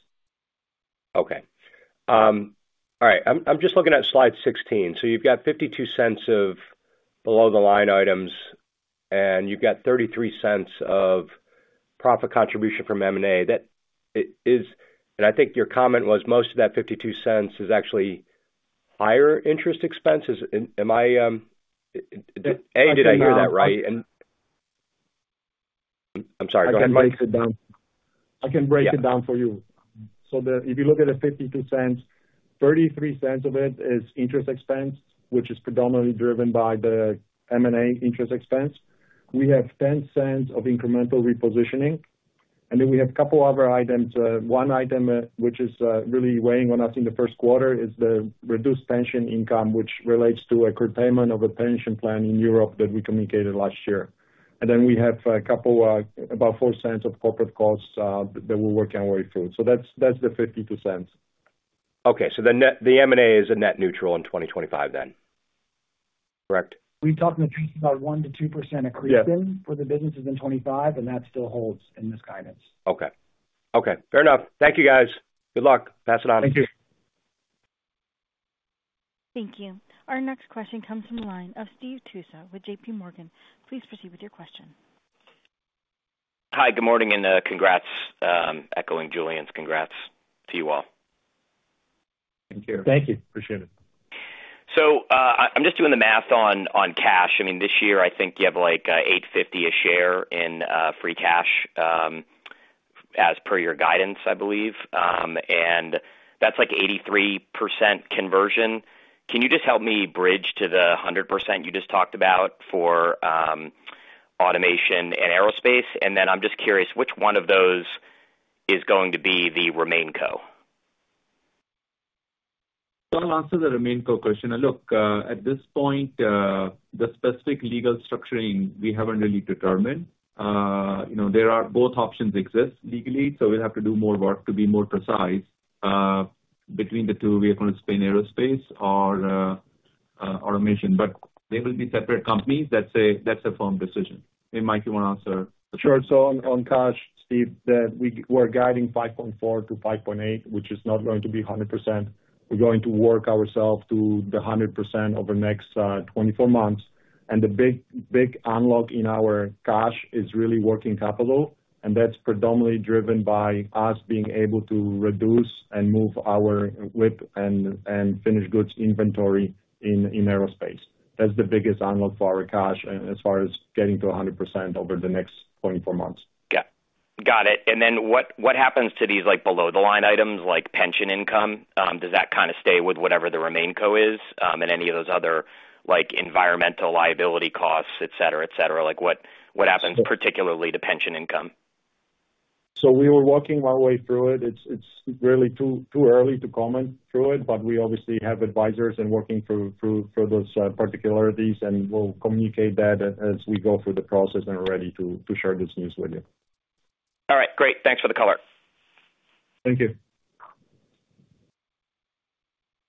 Okay. All right. I'm just looking at Slide 16. So you've got $0.52 of below-the-line items, and you've got $0.33 of profit contribution from M&A. And I think your comment was most of that $0.52 is actually higher interest expenses. A, did I hear that right? I'm sorry. Go ahead. I can break it down for you. So if you look at the $0.52, $0.33 of it is interest expense, which is predominantly driven by the M&A interest expense. We have $0.10 of incremental repositioning. And then we have a couple of other items. One item which is really weighing on us in the first quarter is the reduced pension income, which relates to a curtailment of a pension plan in Europe that we communicated last year. And then we have a couple of about $0.04 of corporate costs that we're working our way through. So that's the $0.52. Okay. So the M&A is a net neutral in 2025 then, correct? We talked in the past about 1%-2% accretion for the businesses in 2025, and that still holds in this guidance. Okay. Okay. Fair enough. Thank you, guys. Good luck. Pass it on. Thank you. Thank you. Our next question comes from the line of Stephen Tusa with JPMorgan. Please proceed with your question. Hi, good morning, and congrats. Echoing Julian's congrats to you all. Thank you. Thank you. Appreciate it. So I'm just doing the math on cash. I mean, this year, I think you have like $8.50 a share in free cash as per your guidance, I believe. And that's like 83% conversion. Can you just help me bridge to the 100% you just talked about for Automation and Aerospace? And then I'm just curious, which one of those is going to be the RemainCo? So I'll answer the RemainCo question. Look, at this point, the specific legal structuring we haven't really determined. There are both options exist legally, so we'll have to do more work to be more precise between the two. We are going to spin Aerospace or Automation. But they will be separate companies. That's a firm decision. Hey, Mike, you want to answer? Sure. So on cash, Steve, we're guiding $5.4-$5.8, which is not going to be 100%. We're going to work ourselves to the 100% over the next 24 months. And the big unlock in our cash is really working capital. And that's predominantly driven by us being able to reduce and move our WIP and finished goods inventory in Aerospace. That's the biggest unlock for our cash as far as getting to 100% over the next 24 months. Got it. And then what happens to these below-the-line items, like pension income? Does that kind of stay with whatever the RemainCo is and any of those other environmental liability costs, etc., etc.? What happens particularly to pension income? So we were working our way through it. It's really too early to comment through it, but we obviously have advisors and working through those particularities, and we'll communicate that as we go through the process and are ready to share this news with you. All right. Great. Thanks for the color. Thank you.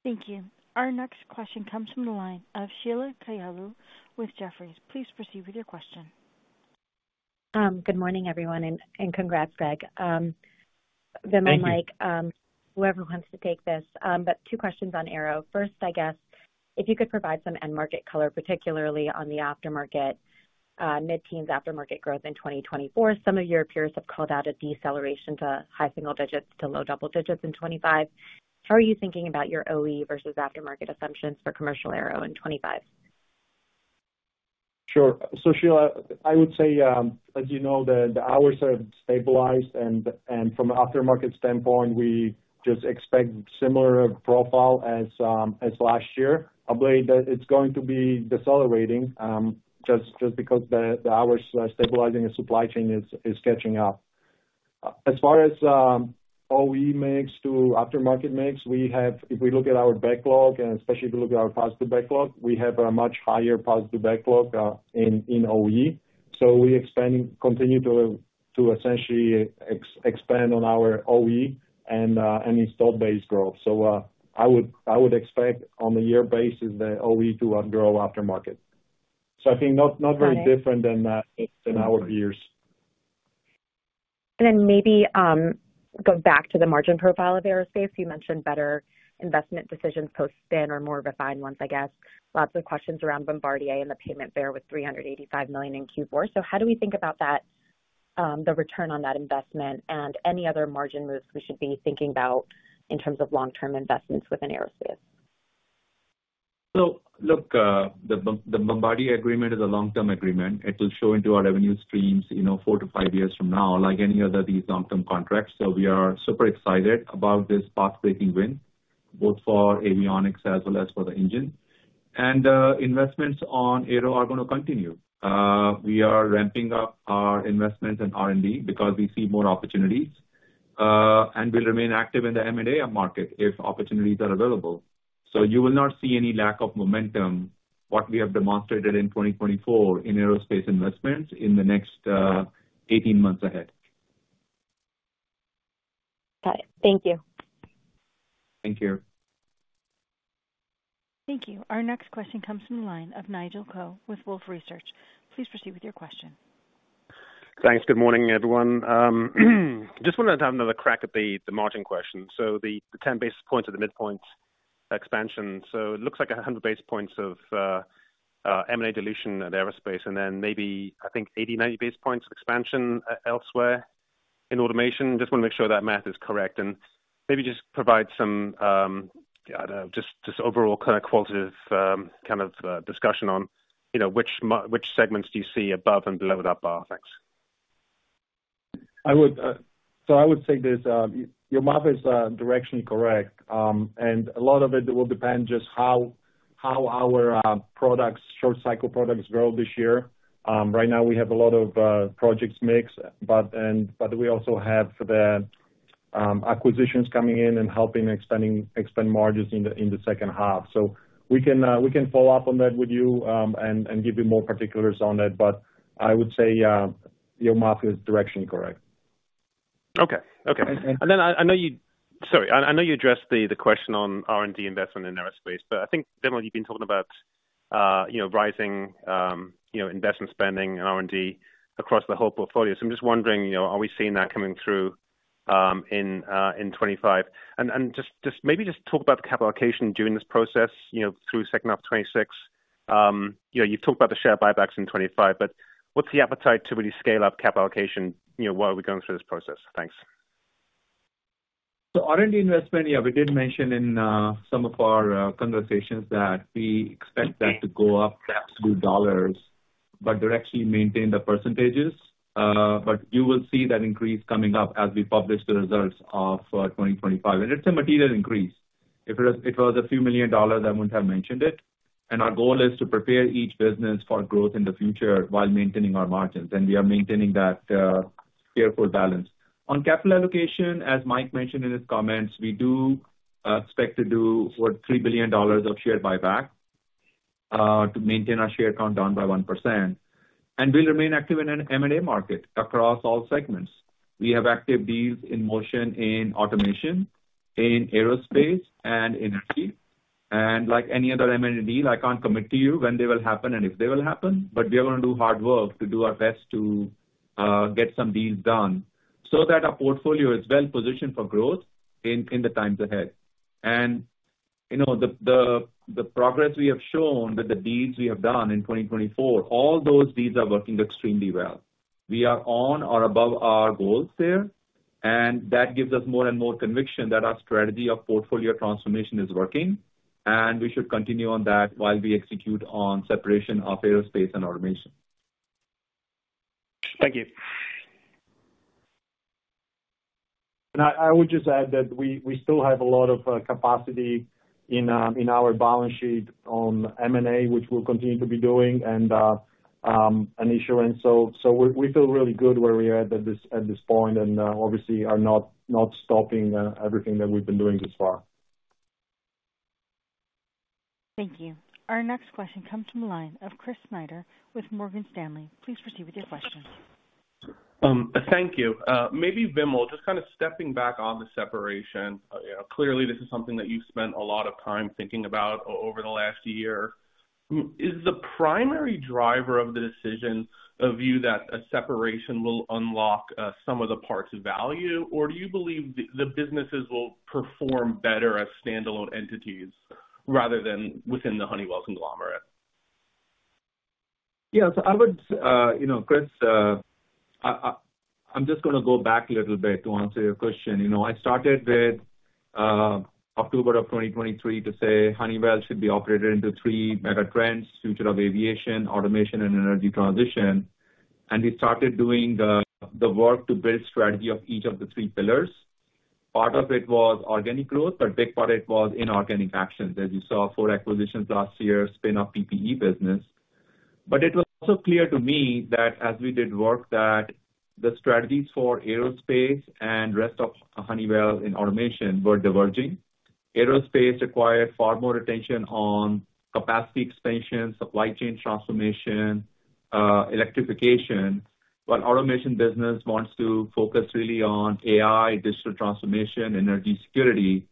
Thank you. Our next question comes from the line of Sheila Kahyaoglu with Jefferies. Please proceed with your question. Good morning, everyone, and congrats, Greg. Vimal, Mike, whoever wants to take this. But two questions on Aero. First, I guess, if you could provide some end market color, particularly on the aftermarket, mid-teens% aftermarket growth in 2024. Some of your peers have called out a deceleration to high single digits% to low double digits% in 2025. How are you thinking about your OE versus aftermarket assumptions for commercial Aero in 2025? Sure. So Sheila, I would say, as you know, the hours have stabilized. From an aftermarket standpoint, we just expect a similar profile as last year. I believe that it's going to be decelerating just because the hours are stabilizing and supply chain is catching up. As far as OE mix to aftermarket mix, if we look at our backlog, and especially if we look at our positive backlog, we have a much higher positive backlog in OE. So we continue to essentially expand on our OE and installed base growth. So I would expect on a year basis that OE to grow aftermarket. So I think not very different than our peers. And then maybe go back to the margin profile of Aerospace. You mentioned better investment decisions post-spin or more refined ones, I guess. Lots of questions around Bombardier and the payment there with $385 million in Q4. So how do we think about the return on that investment and any other margin moves we should be thinking about in terms of long-term investments within Aerospace? So look, the Bombardier agreement is a long-term agreement. It will flow into our revenue streams 4-5 years from now, like any other of these long-term contracts. So we are super excited about this path-breaking win, both for avionics as well as for the engine. And investments in Aero are going to continue. We are ramping up our investments in R&D because we see more opportunities. And we'll remain active in the M&A market if opportunities are available. So you will not see any lack of momentum, the momentum that we have demonstrated in 2024 in Aerospace investments in the next 18 months ahead. Got it. Thank you. Thank you. Thank you. Our next question comes from the line of Nigel Coe with Wolfe Research. Please proceed with your question. Thanks. Good morning, everyone. Just wanted to have another crack at the margin question. So the 10 basis points of the mid-point expansion. So it looks like 100 basis points of M&A dilution at Aerospace, and then maybe, I think, 80-90 basis points of expansion elsewhere in Automation. Just want to make sure that math is correct. And maybe just provide some, I don't know, just overall kind of qualitative kind of discussion on which segments do you see above and below that bar. Thanks. So I would say your math is directionally correct. And a lot of it will depend just how our products, short-cycle products, grow this year. Right now, we have a lot of projects mixed, but we also have the acquisitions coming in and helping expand margins in the second half. So we can follow up on that with you and give you more particulars on that. But I would say your math is directionally correct. Okay. Okay. And then I know you. Sorry. I know you addressed the question on R&D investment in Aerospace, but I think, Vimal, you've been talking about rising investment spending in R&D across the whole portfolio. So I'm just wondering, are we seeing that coming through in 2025? And just maybe just talk about the capital allocation during this process through second half of 2026. You've talked about the share buybacks in 2025, but what's the appetite to really scale up capital allocation while we're going through this process? Thanks. R&D investment, yeah, we did mention in some of our conversations that we expect that to go up in dollars, but to directly maintain the percentages. But you will see that increase coming up as we publish the results for 2025. And it's a material increase. If it was a few million dollars, I wouldn't have mentioned it. And our goal is to prepare each business for growth in the future while maintaining our margins. And we are maintaining that careful balance. On capital allocation, as Mike mentioned in his comments, we do expect to do $3 billion of share buyback to maintain our share count down by 1%. And we'll remain active in an M&A market across all segments. We have active deals in motion in Automation, in Aerospace, and Energy. And like any other M&A deal, I can't commit to you when they will happen and if they will happen, but we are going to do hard work to do our best to get some deals done so that our portfolio is well positioned for growth in the times ahead. And the progress we have shown with the deals we have done in 2024, all those deals are working extremely well. We are on or above our goals there, and that gives us more and more conviction that our strategy of portfolio transformation is working, and we should continue on that while we execute on separation of Aerospace and Automation. Thank you. And I would just add that we still have a lot of capacity in our balance sheet on M&A, which we'll continue to be doing, and an issuance. So we feel really good where we are at this point and obviously are not stopping everything that we've been doing this far. Thank you. Our next question comes from the line of Chris Snyder with Morgan Stanley. Please proceed with your question. Thank you. Maybe Vimal, just kind of stepping back on the separation. Clearly, this is something that you've spent a lot of time thinking about over the last year. Is the primary driver of the decision of you that a separation will unlock some of the parts of value, or do you believe the businesses will perform better as standalone entities rather than within the Honeywell conglomerate? Yeah. So I would, Chris, I'm just going to go back a little bit to answer your question. I started with October of 2023 to say Honeywell should be operated into Future of Aviation, Automation, and Energy Transition. We started doing the work to build strategy of each of the three pillars. Part of it was organic growth, but a big part of it was inorganic actions, as you saw for acquisitions last year, spin-off PPE business. But it was also clear to me that as we did work that the strategies for Aerospace and rest of Honeywell in Automation were diverging. Aerospace required far more attention on capacity expansion, supply chain transformation, electrification, while Automation business wants to focus really on AI, digital transformation, energy security.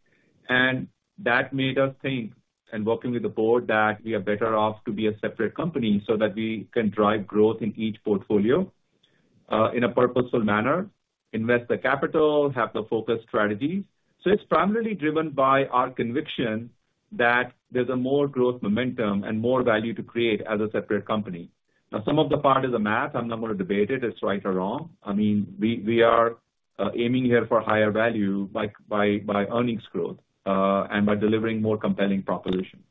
That made us think and working with the board that we are better off to be a separate company so that we can drive growth in each portfolio in a purposeful manner, invest the capital, have the focus strategies. So it's primarily driven by our conviction that there's a more growth momentum and more value to create as a separate company. Now, some of the part is a math. I'm not going to debate it. It's right or wrong. I mean, we are aiming here for higher value by earnings growth and by delivering more compelling proposition.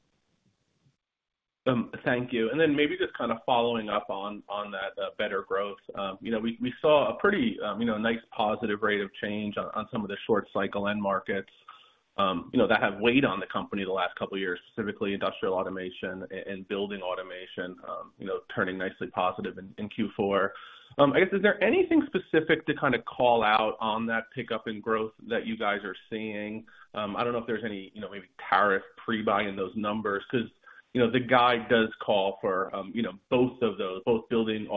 Thank you. And then maybe just kind of following up on that better growth, we saw a pretty nice positive rate of change on some of the short-cycle end markets that have weighed on the company the last couple of Industrial Automation and Building Automation, turning nicely positive in Q4. I guess, is there anything specific to kind of call out on that pickup in growth that you guys are seeing? I don't know if there's any maybe tariff pre-buy in those numbers because the guide does call for both of those, both Building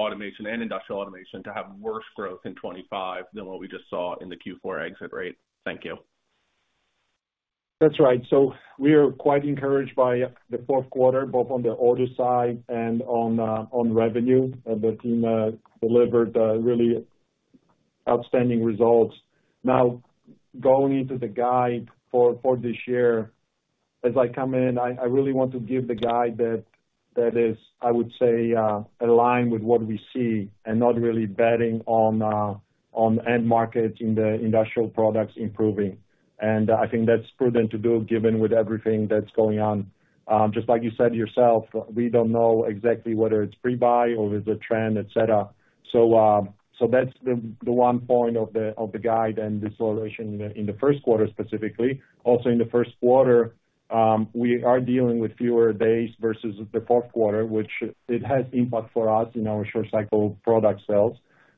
Industrial Automation, to have worse growth in 2025 than what we just saw in the Q4 exit rate. Thank you. That's right. So we are quite encouraged by the fourth quarter, both on the order side and on revenue. And the team delivered really outstanding results. Now, going into the guide for this year, as I come in, I really want to give the guide that is, I would say, aligned with what we see and not really betting on end markets in the Industrial products improving. And I think that's prudent to do given with everything that's going on. Just like you said yourself, we don't know exactly whether it's pre-buy or with the trend, etc. So that's the one point of the guide and the acceleration in the first quarter specifically. Also, in the first quarter, we are dealing with fewer days versus the fourth quarter, which it has impact for us in our short-cycle product sales.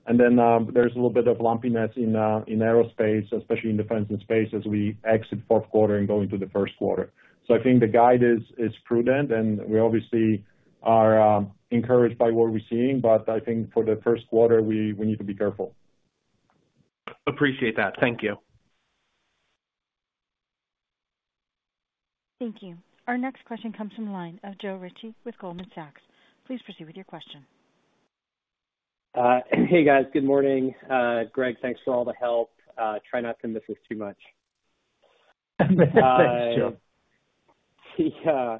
And then there's a little bit of lumpiness in Aerospace, especially in Defense and Space as we exit fourth quarter and go into the first quarter. So I think the guide is prudent, and we obviously are encouraged by what we're seeing, but I think for the first quarter, we need to be careful. Appreciate that. Thank you. Thank you. Our next question comes from the line of Joe Ritchie with Goldman Sachs. Please proceed with your question. Hey, guys. Good morning. Greg, thanks for all the help. Try not to miss us too much. Thanks, Joe. Yeah.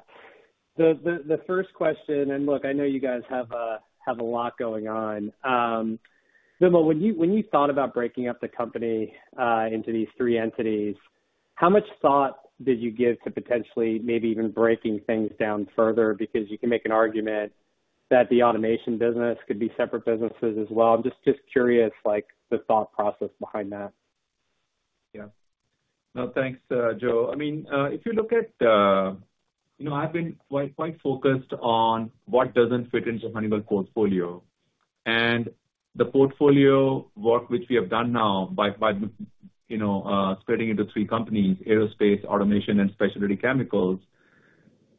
The first question, and look, I know you guys have a lot going on. Vimal, when you thought about breaking up the company into these three entities, how much thought did you give to potentially maybe even breaking things down further? Because you can make an argument that the Automation business could be separate businesses as well. I'm just curious the thought process behind that. Yeah. No, thanks, Joe. I mean, if you look at, I've been quite focused on what doesn't fit into Honeywell's portfolio, and the portfolio work which we have done now by splitting into three companies, Aerospace, Automation, and specialty chemicals,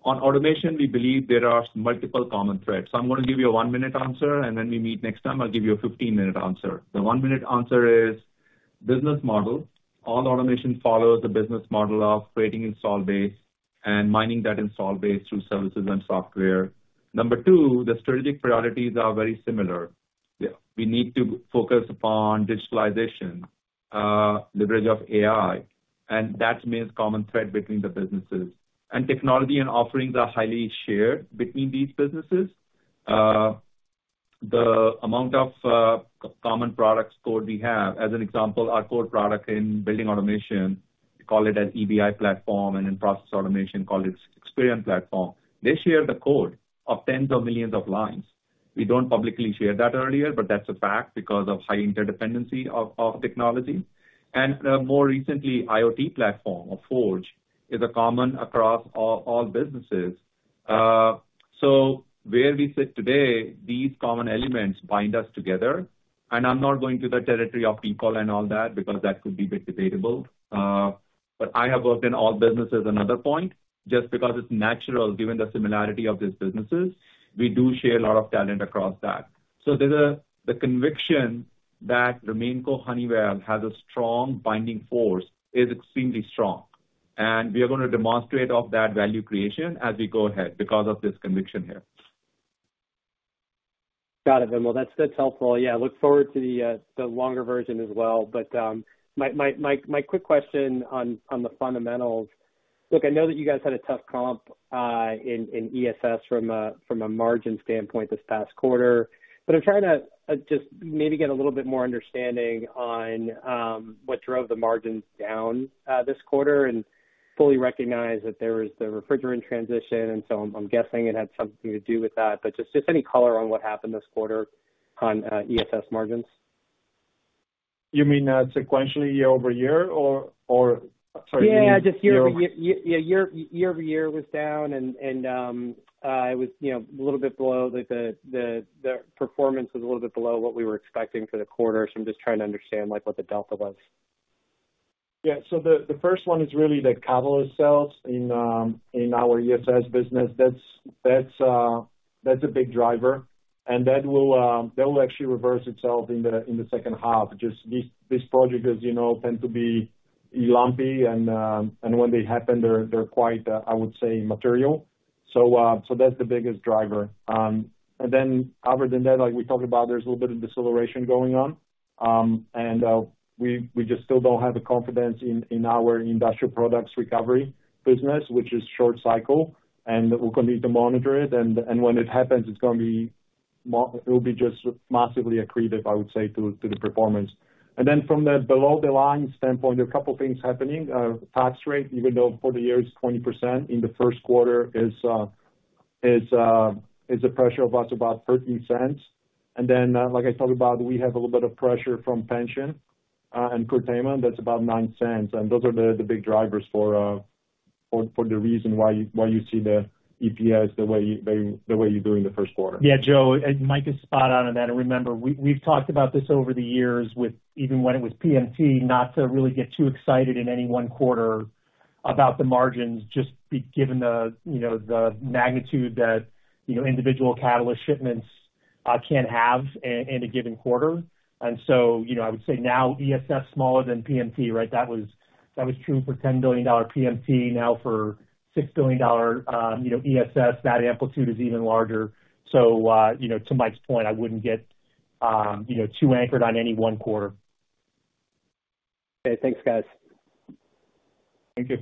on Automation, we believe there are multiple common threads. So I'm going to give you a one-minute answer, and then we meet next time. I'll give you a 15-minute answer. The one-minute answer is business model. All Automation follows the business model of creating installed base and mining that installed base through services and software. Number two, the strategic priorities are very similar. We need to focus upon digitalization, leverage of AI, and that remains a common thread between the businesses, and technology and offerings are highly shared between these businesses. The amount of common products code we have, as an example, our core product in Building Automation, we call it as EBI platform, and in Process Automation, we call it Experion platform. They share the code of tens of millions of lines. We don't publicly share that earlier, but that's a fact because of high interdependency of technology, and more recently, IoT platform or Forge is common across all businesses, so where we sit today, these common elements bind us together. And I'm not going to the territory of people and all that because that could be a bit debatable. But I have worked in all businesses, another point, just because it's natural, given the similarity of these businesses, we do share a lot of talent across that. So the conviction that RemainCo Honeywell has a strong binding force is extremely strong. And we are going to demonstrate that value creation as we go ahead because of this conviction here. Got it, Vimal. That's helpful. Yeah. I look forward to the longer version as well. But my quick question on the fundamentals, look, I know that you guys had a tough comp in ESS from a margin standpoint this past quarter, but I'm trying to just maybe get a little bit more understanding on what drove the margins down this quarter and fully recognize that there was the refrigerant transition. I'm guessing it had something to do with that. But just any color on what happened this quarter on ESS margins? You mean sequentially year-over-year or, sorry. Yeah, just year-over-year was down, and it was a little bit below the performance was a little bit below what we were expecting for the quarter. So I'm just trying to understand what the delta was. Yeah. So the first one is really the catalyst sales in our ESS business. That's a big driver. And that will actually reverse itself in the second half. Just these projects tend to be lumpy, and when they happen, they're quite, I would say, material. So that's the biggest driver. And then other than that, like we talked about, there's a little bit of deceleration going on. And we just still don't have the confidence in our Industrial products recovery business, which is short-cycle. And we're going to need to monitor it. And when it happens, it will be just massively accretive, I would say, to the performance. And then from the below-the-line standpoint, there are a couple of things happening. Tax rate, even though for the year it's 20%, in the first quarter is a pressure of us about $0.13. And then, like I talked about, we have a little bit of pressure from pension and curtailment. That's about $0.09. And those are the big drivers for the reason why you see the EPS the way you do in the first quarter. Yeah, Joe, Mike is spot on in that. Remember, we've talked about this over the years with even when it was PMT, not to really get too excited in any one quarter about the margins, just given the magnitude that individual catalyst shipments can have in a given quarter. And so I would say now ESS smaller than PMT, right? That was true for $10 billion PMT, now for $6 billion ESS. That amplitude is even larger. So to Mike's point, I wouldn't get too anchored on any one quarter. Okay. Thanks, guys. Thank you.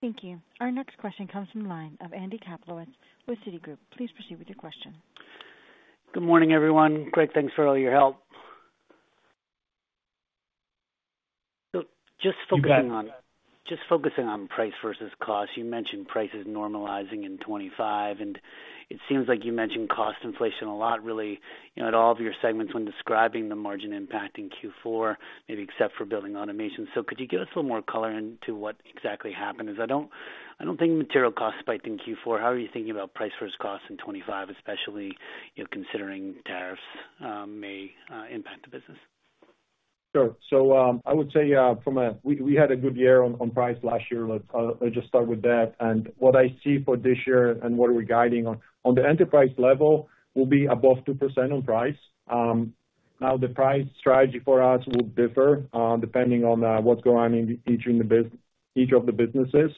Thank you. Our next question comes from the line of Andy Kaplowitz with Citigroup. Please proceed with your question. Good morning, everyone. Greg, thanks for all your help. Just focusing on price versus cost. You mentioned prices normalizing in 2025, and it seems like you mentioned cost inflation a lot, really, at all of your segments when describing the margin impact in Q4, maybe except for Building Automation. So could you give us a little more color into what exactly happened? Because I don't think material cost spiked in Q4. How are you thinking about price versus cost in 2025, especially considering tariffs may impact the business? Sure. So I would say we had a good year on price last year. Let's just start with that. And what I see for this year and what we're guiding on the enterprise level will be above 2% on price. Now, the price strategy for us will differ depending on what's going on in each of the businesses.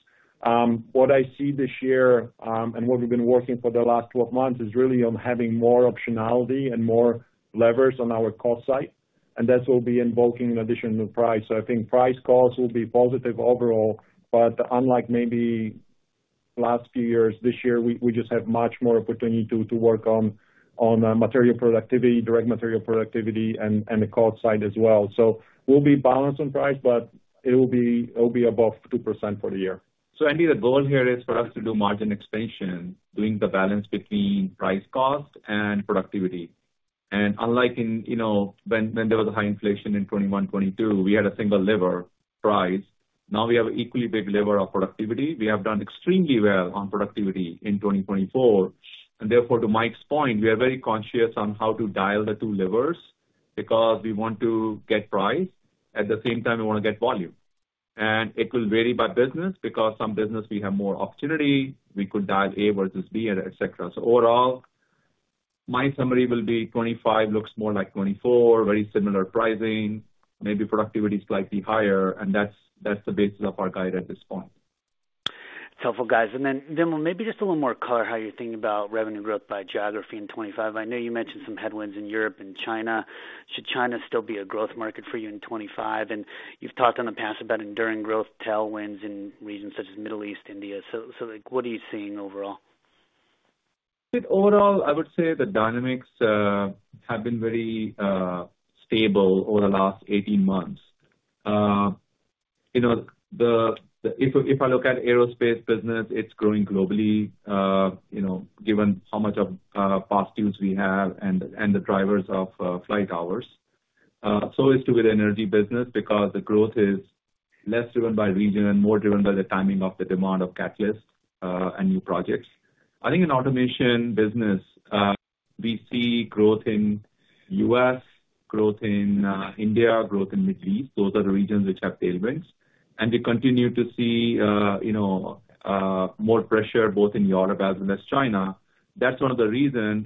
What I see this year and what we've been working for the last 12 months is really on having more optionality and more levers on our cost side. And that will be invoking an additional price. So I think price cost will be positive overall, but unlike maybe last few years, this year, we just have much more opportunity to work on material productivity, direct material productivity, and the cost side as well. So we'll be balanced on price, but it will be above 2% for the year. So Andy, the goal here is for us to do margin expansion, doing the balance between price cost and productivity. And unlike when there was a high inflation in 2021, 2022, we had a single lever price. Now we have an equally big lever of productivity. We have done extremely well on productivity in 2024. And therefore, to Mike's point, we are very conscious on how to dial the two levers because we want to get price. At the same time, we want to get volume. And it will vary by business because some business we have more opportunity. We could dial A versus B, etc. So overall, my summary will be 2025 looks more like 2024, very similar pricing, maybe productivity slightly higher. And that's the basis of our guide at this point. It's helpful, guys. And then maybe just a little more color how you're thinking about revenue growth by geography in 2025. I know you mentioned some headwinds in Europe and China. Should China still be a growth market for you in 2025? And you've talked in the past about enduring growth, tailwinds in regions such as the Middle East, India. So what are you seeing overall? Overall, I would say the dynamics have been very stable over the last 18 months. If I look at the Aerospace business, it's growing globally given how much of past dues we have and the drivers of flight hours. So it is too with the Energy business because the growth is less driven by region and more driven by the timing of the demand of catalysts and new projects. I think in Automation business, we see growth in the U.S., growth in India, growth in the Middle East. Those are the regions which have tailwinds. And we continue to see more pressure both in Europe as well as China. That's one of the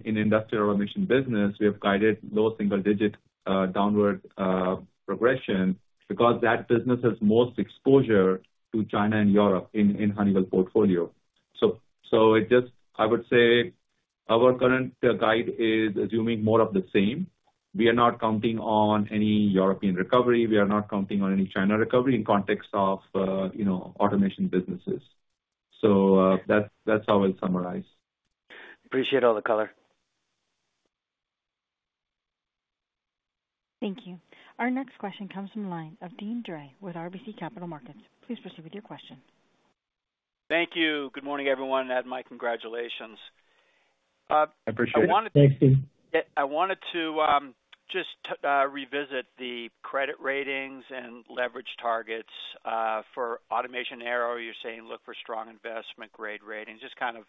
Industrial Automation business we have guided low single-digit downward progression because that business has most exposure to China and Europe in Honeywell's portfolio. So I would say our current guide is assuming more of the same. We are not counting on any European recovery. We are not counting on any China recovery in the context of Automation businesses. So that's how I'll summarize. Appreciate all the color. Thank you. Our next question comes from the line of Deane Dray with RBC Capital Markets. Please proceed with your question. Thank you. Good morning, everyone. Mike, congratulations. I appreciate it. Thanks, Steve. I wanted to just revisit the credit ratings and leverage targets for Automation Aero. You're saying look for strong investment-grade ratings, just kind of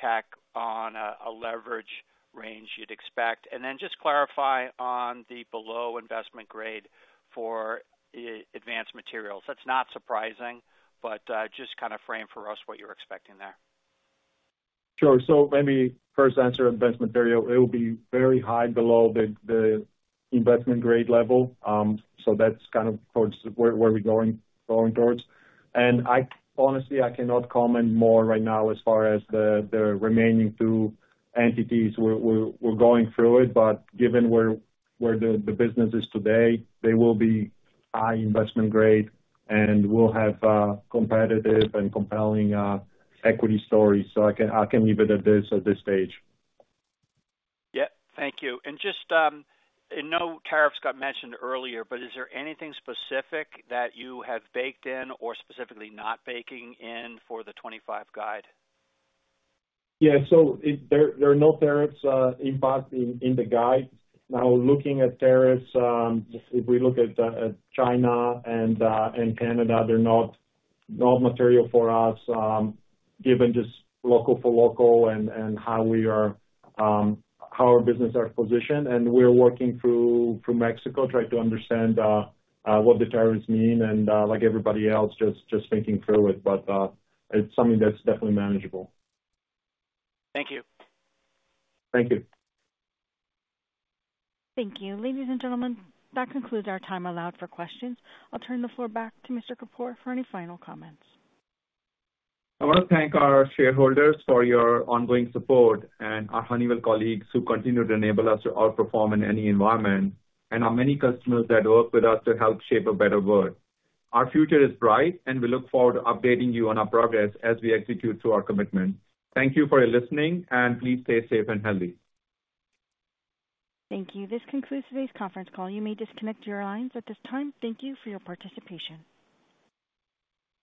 tack on a leverage range you'd expect. And then just clarify on the below-investment-grade for Advanced Materials. That's not surprising, but just kind of frame for us what you're expecting there. Sure. So maybe first answer, Advanced Materials, it will be very high below the investment-grade level. So that's kind of towards where we're going towards. Honestly, I cannot comment more right now as far as the remaining two entities. We're going through it, but given where the business is today, they will be high investment grade, and we'll have competitive and compelling equity stories. I can leave it at this stage. Yep. Thank you. Just no tariffs got mentioned earlier, but is there anything specific that you have baked in or specifically not baking in for the '25 guide? Yeah. There are no tariffs in the guide. Now, looking at tariffs, if we look at China and Canada, they're not material for us given just local for local and how our business are positioned. We're working through Mexico, trying to understand what the tariffs mean. Like everybody else, just thinking through it. It's something that's definitely manageable. Thank you. Thank you. Thank you. Ladies and gentlemen, that concludes our time allowed for questions. I'll turn the floor back to Mr. Kapur for any final comments. I want to thank our shareholders for your ongoing support and our Honeywell colleagues who continue to enable us to outperform in any environment and our many customers that work with us to help shape a better world. Our future is bright, and we look forward to updating you on our progress as we execute through our commitment. Thank you for listening, and please stay safe and healthy. Thank you. This concludes today's conference call. You may disconnect your lines at this time. Thank you for your participation.